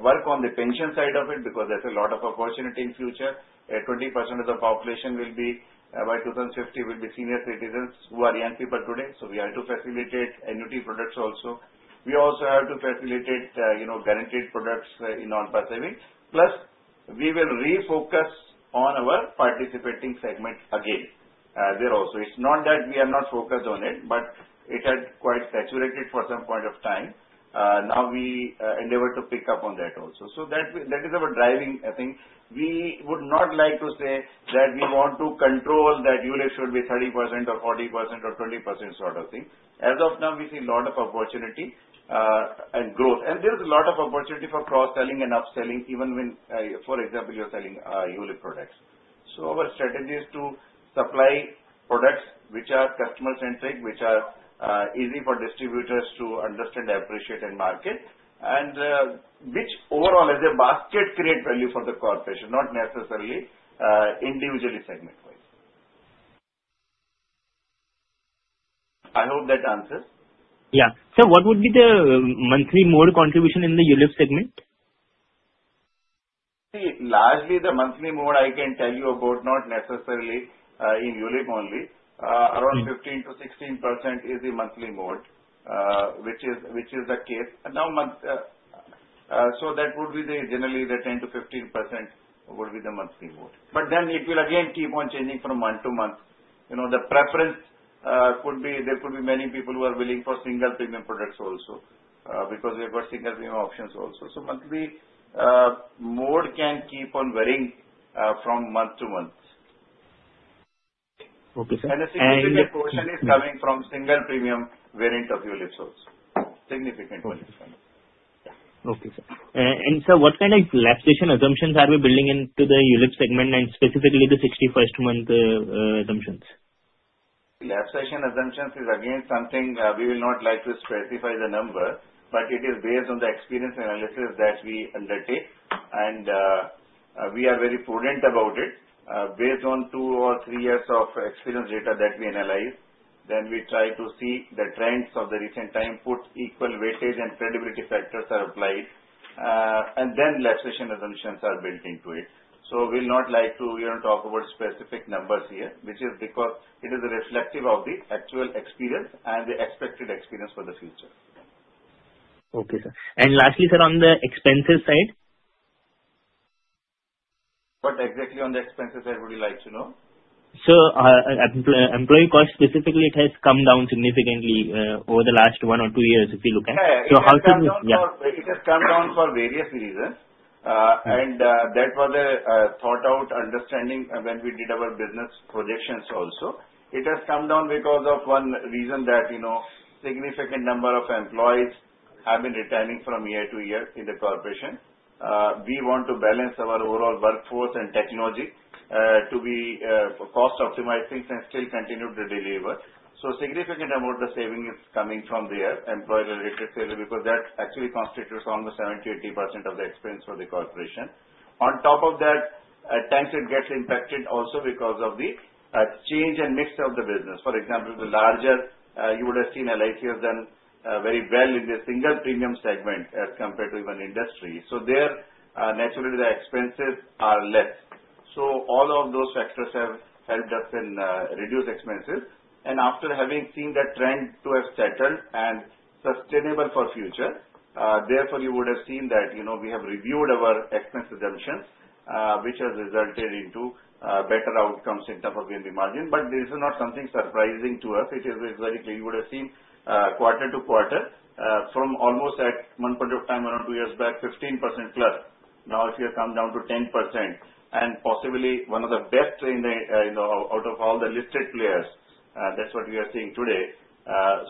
work on the pension side of it because there's a lot of opportunity in future. 20% of the population will be by 2050, will be senior citizens who are young people today, so we have to facilitate annuity products also. We also have to facilitate guaranteed products in non-PAR saving. Plus, we will refocus on our participating segment again there also. It's not that we are not focused on it, but it had quite saturated for some point of time. Now we endeavor to pick up on that also. So that is our driving thing. We would not like to say that we want to control that unit should be 30% or 40% or 20% sort of thing. As of now, we see a lot of opportunity and growth, and there is a lot of opportunity for cross-selling and upselling even when, for example, you're selling unit products, so our strategy is to supply products which are customer-centric, which are easy for distributors to understand, appreciate, and market, and which overall as a basket create value for the corporation, not necessarily individually segment-wise. I hope that answers. Yeah. Sir, what would be the monthly mode contribution in the unit segment? See, largely the monthly mode I can tell you about, not necessarily in unit only. Around 15%-16% is the monthly mode, which is the case. So that would be the generally the 10%-15% would be the monthly mode. But then it will again keep on changing from month to month. The preference could be there could be many people who are willing for single premium products also because we have got single premium options also. So monthly mode can keep on varying from month to month. And a significant portion is coming from single premium variant of units also. Significant variant from it. Okay, sir. And sir, what kind of lapse assumptions are we building into the unit segment and specifically the 61st month assumptions? Lapse assumptions is again something we will not like to specify the number, but it is based on the experience analysis that we undertake. And we are very prudent about it. Based on two or three years of experience data that we analyze, then we try to see the trends of the recent time, put equal weightage and credibility factors are applied, and then lapse assumptions are built into it. So we'll not like to talk about specific numbers here, which is because it is reflective of the actual experience and the expected experience for the future. Okay, sir. And lastly, sir, on the expenses side? What exactly on the expenses side would you like to know? So employee cost specifically, it has come down significantly over the last one or two years if you look at. So how could you? It has come down for various reasons. That was a thought-out understanding when we did our business projections also. It has come down because of one reason that significant number of employees have been retiring from year to year in the corporation. We want to balance our overall workforce and technology to be cost-optimizing and still continue to deliver. So significant amount of saving is coming from there, employee-related saving because that actually constitutes almost 70%-80% of the expense for the corporation. On top of that, at times it gets impacted also because of the change and mix of the business. For example, the latter you would have seen LIC has done very well in the single premium segment as compared to even industry. So there, naturally, the expenses are less. So all of those factors have helped us in reducing expenses. And after having seen that trend to have settled and sustainable for future, therefore you would have seen that we have reviewed our expense assumptions, which has resulted into better outcomes in terms of VNB margin. But this is not something surprising to us. It is very clear. You would have seen quarter to quarter from almost at one point of time around two years back, 15% plus. Now it has come down to 10% and possibly one of the best out of all the listed players. That's what we are seeing today.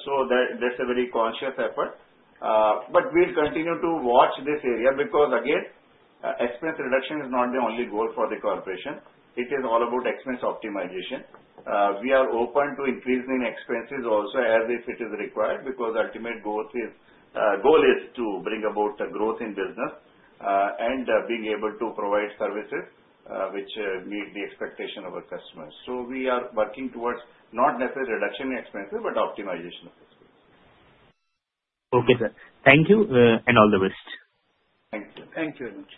So that's a very conscious effort. But we'll continue to watch this area because, again, expense reduction is not the only goal for the corporation. It is all about expense optimization. We are open to increasing expenses also as if it is required because ultimate goal is to bring about growth in business and being able to provide services which meet the expectation of our customers. So we are working towards not necessarily reduction in expenses, but optimization of expenses. Okay, sir. Thank you and all the best. Thank you. Thank you very much.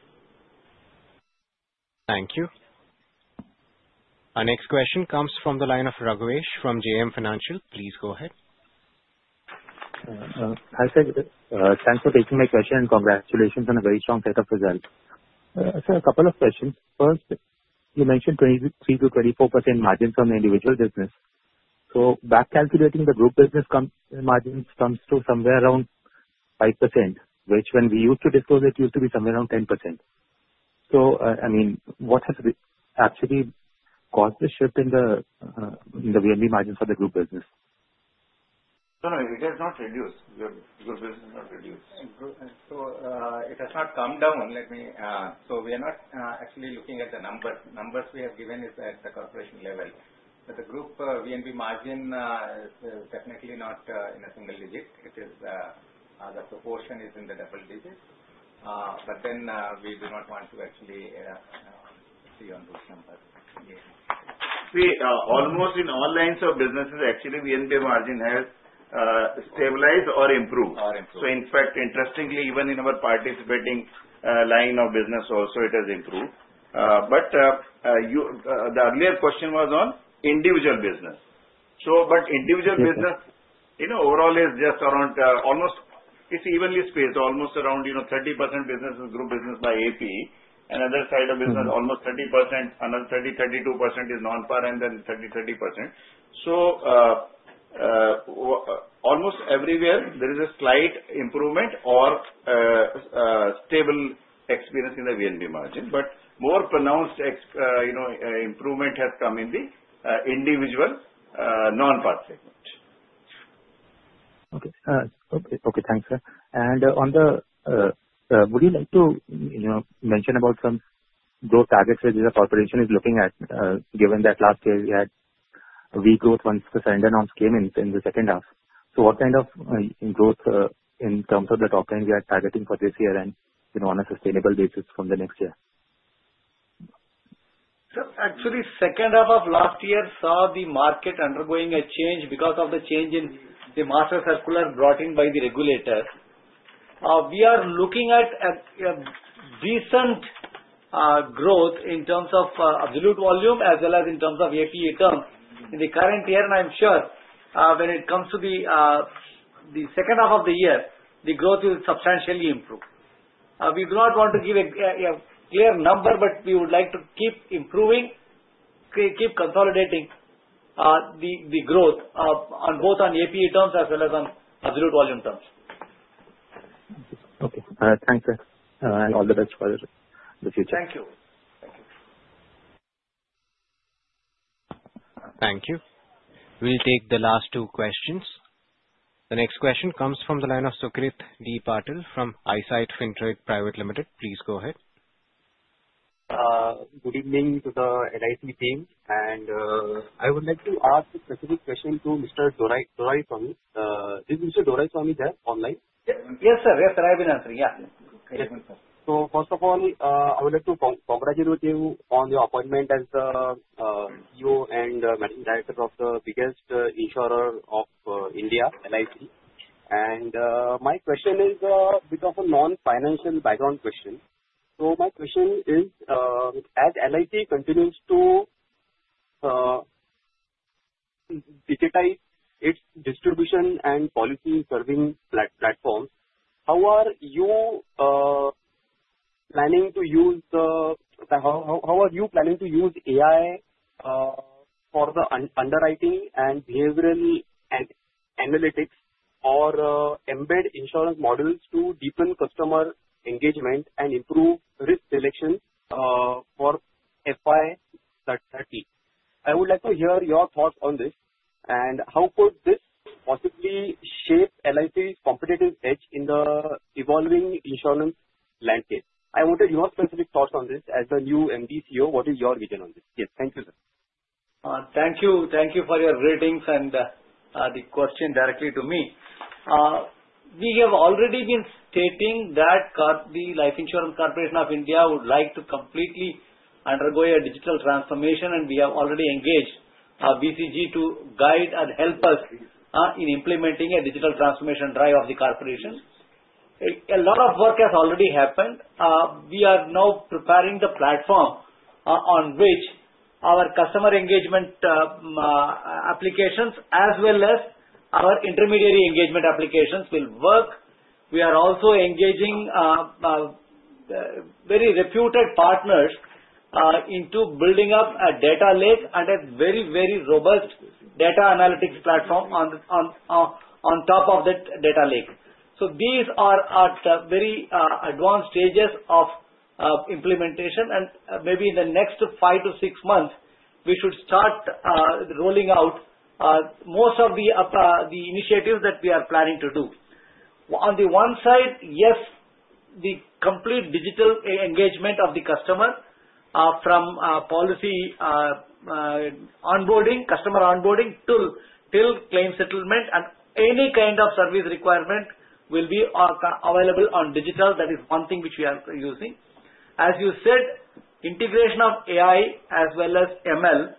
Thank you. Our next question comes from the line of Raghavesh from JM Financial. Please go ahead. Hi Sir. Thanks for taking my question and congratulations on a very strong set of results. Sir, a couple of questions. First, you mentioned 23%-24% margins on the individual business. So back calculating, the group business margins comes to somewhere around 5%, which when we used to disclose, it used to be somewhere around 10%. So I mean, what has actually caused the shift in the VNB margins for the group business? No, no. It has not reduced. Your business has not reduced. And so it has not come down. So we are not actually looking at the numbers. Numbers we have given is at the corporation level. But the group VNB margin is definitely not in a single digit. The proportion is in the double digits. But then we do not want to actually see on those numbers. See, almost in all lines of businesses, actually VNB margin has stabilized or improved. So in fact, interestingly, even in our participating line of business also, it has improved. But the earlier question was on individual business. But individual business overall is just around almost you see, evenly spaced, almost around 30% business is group business by AP. Another side of business, almost 30%, another 30, 32% is Non-PAR, and then 30, 30%. So almost everywhere, there is a slight improvement or stable experience in the VNB margin. But more pronounced improvement has come in the individual Non-PAR segment. Okay. Okay. Thanks, sir. And on the would you like to mention about some growth targets that the corporation is looking at, given that last year we had weak growth once the surrender norms came in the second half? So what kind of growth in terms of the top line we are targeting for this year and on a sustainable basis from the next year? Sir, actually, second half of last year saw the market undergoing a change because of the change in the master circular brought in by the regulators. We are looking at decent growth in terms of absolute volume as well as in terms of APE terms in the current year. And I'm sure when it comes to the second half of the year, the growth will substantially improve. We do not want to give a clear number, but we would like to keep improving, keep consolidating the growth both on APA terms as well as on absolute volume terms. Okay. Thanks, sir. And all the best for the future. Thank you. Thank you. Thank you. We'll take the last two questions. The next question comes from the line of Sukrit D. Patil from Insight Fintrade Private Limited. Please go ahead. Good evening to the LIC team. And I would like to ask a specific question to Mr. Doraiswamy. Is Mr. Doraiswamy there online? Yes, sir. Yes, sir. I've been answering. Yeah. Thank you. So first of all, I would like to congratulate you on your appointment as the CEO and Managing Director of the biggest insurer of India, LIC. And my question is a bit of a non-financial background question. So my question is, as LIC continues to digitize its distribution and policy-serving platforms, how are you planning to use AI for the underwriting and behavioral analytics or embedded insurance models to deepen customer engagement and improve risk selection for FY30? I would like to hear your thoughts on this. And how could this possibly shape LIC's competitive edge in the evolving insurance landscape? I wanted your specific thoughts on this. As the new MD CEO, what is your vision on this? Yes. Thank you, sir. Thank you. Thank you for your greetings and the question directly to me. We have already been stating that the Life Insurance Corporation of India would like to completely undergo a digital transformation. We have already engaged BCG to guide and help us in implementing a digital transformation drive of the corporation. A lot of work has already happened. We are now preparing the platform on which our customer engagement applications as well as our intermediary engagement applications will work. We are also engaging very reputed partners into building up a data lake and a very, very robust data analytics platform on top of that data lake. These are very advanced stages of implementation. Maybe in the next five to six months, we should start rolling out most of the initiatives that we are planning to do. On the one side, yes, the complete digital engagement of the customer from policy onboarding, customer onboarding till claim settlement and any kind of service requirement will be available on digital. That is one thing which we are using. As you said, integration of AI as well as ML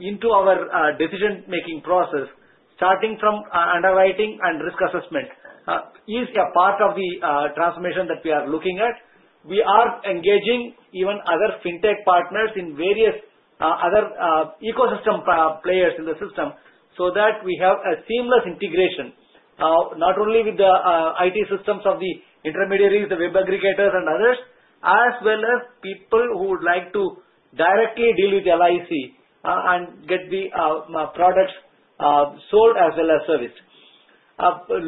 into our decision-making process, starting from underwriting and risk assessment, is a part of the transformation that we are looking at. We are engaging even other fintech partners in various other ecosystem players in the system so that we have a seamless integration not only with the IT systems of the intermediaries, the web aggregators, and others, as well as people who would like to directly deal with LIC and get the products sold as well as serviced.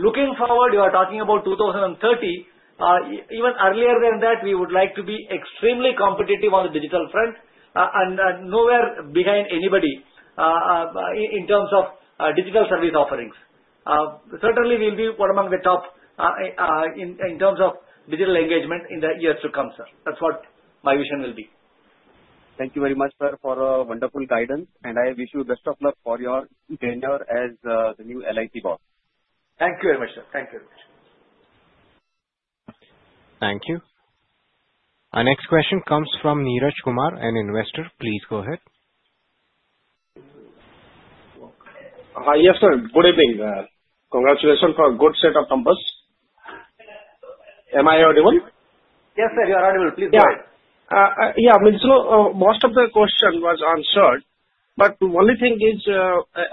Looking forward, you are talking about 2030. Even earlier than that, we would like to be extremely competitive on the digital front and nowhere behind anybody in terms of digital service offerings. Certainly, we'll be one among the top in terms of digital engagement in the years to come, sir. That's what my vision will be. Thank you very much, sir, for a wonderful guidance, and I wish you best of luck for your tenure as the new LIC boss. Thank you very much, sir. Thank you very much. Thank you. Our next question comes from Neeraj Kumar, an investor. Please go ahead. Yes, sir. Good evening. Congratulations for a good set of numbers. Am I audible? Yes, sir. You are audible. Please go ahead. Yeah. So most of the questions were answered, but the only thing is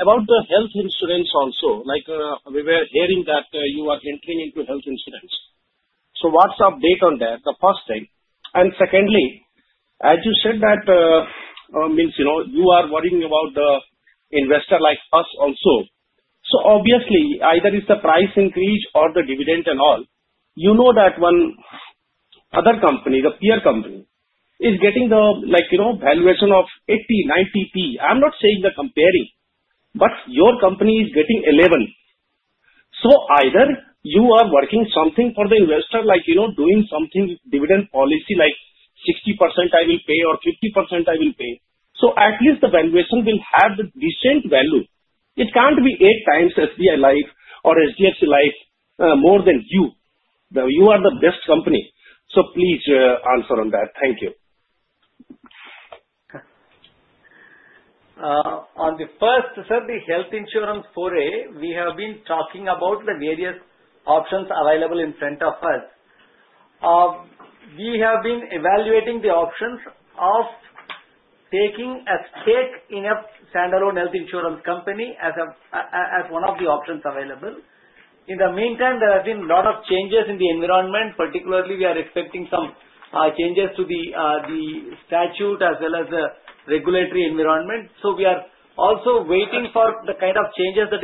about the health insurance also. We were hearing that you are entering into health insurance. So what's the update on that? The first thing. And secondly, as you said that means you are worrying about the investor like us also. So obviously, either it's the price increase or the dividend and all. You know that one other company, the peer company, is getting the valuation of 80-90P. I'm not saying they're comparing, but your company is getting 11. So either you are working something for the investor, like doing something dividend policy like 60% I will pay or 50% I will pay. So at least the valuation will have the decent value. It can't be eight times SBI Life or HDFC Life more than you. You are the best company. So please answer on that. Thank you. On the first, sir, the health insurance foray, we have been talking about the various options available in front of us. We have been evaluating the options of taking a stake in a standalone health insurance company as one of the options available. In the meantime, there have been a lot of changes in the environment. Particularly, we are expecting some changes to the statute as well as the regulatory environment. So we are also waiting for the kind of changes that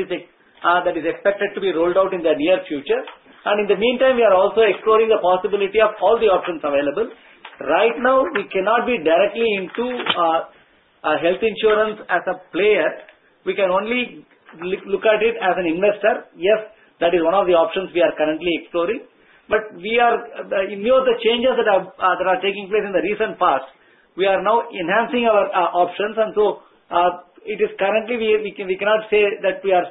is expected to be rolled out in the near future. And in the meantime, we are also exploring the possibility of all the options available. Right now, we cannot be directly into health insurance as a player. We can only look at it as an investor. Yes, that is one of the options we are currently exploring. But in view of the changes that are taking place in the recent past, we are now enhancing our options. And so currently, we cannot say that we are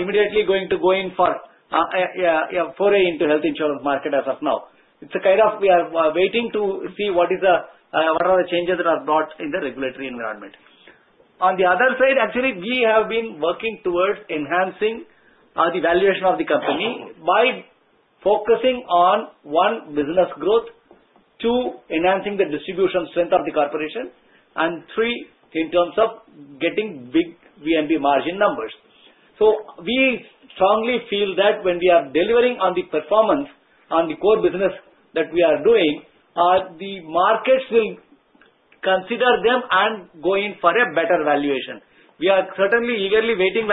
immediately going to go in foray into the health insurance market as of now. It's a kind of we are waiting to see what are the changes that are brought in the regulatory environment. On the other side, actually, we have been working towards enhancing the valuation of the company by focusing on, one, business growth, two, enhancing the distribution strength of the corporation, and three, in terms of getting big VNB margin numbers. So we strongly feel that when we are delivering on the performance on the core business that we are doing, the markets will consider them and go in for a better valuation. We are certainly eagerly waiting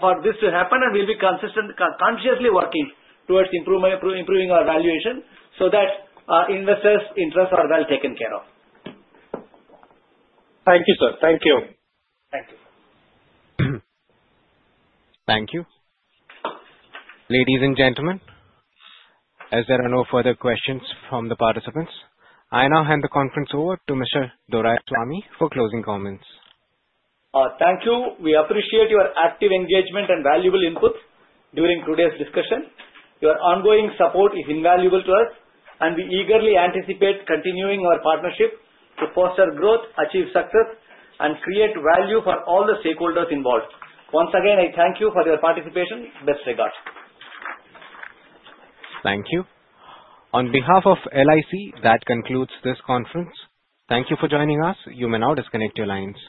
for this to happen, and we'll be consciously working towards improving our valuation so that investors' interests are well taken care of. Thank you, sir. Thank you. Thank you. Thank you. Ladies and gentlemen, as there are no further questions from the participants, I now hand the conference over to Mr. R. Doraiswamy for closing comments. Thank you. We appreciate your active engagement and valuable input during today's discussion. Your ongoing support is invaluable to us, and we eagerly anticipate continuing our partnership to foster growth, achieve success, and create value for all the stakeholders involved. Once again, I thank you for your participation. Best regards. Thank you. On behalf of LIC, that concludes this conference. Thank you for joining us. You may now disconnect your lines.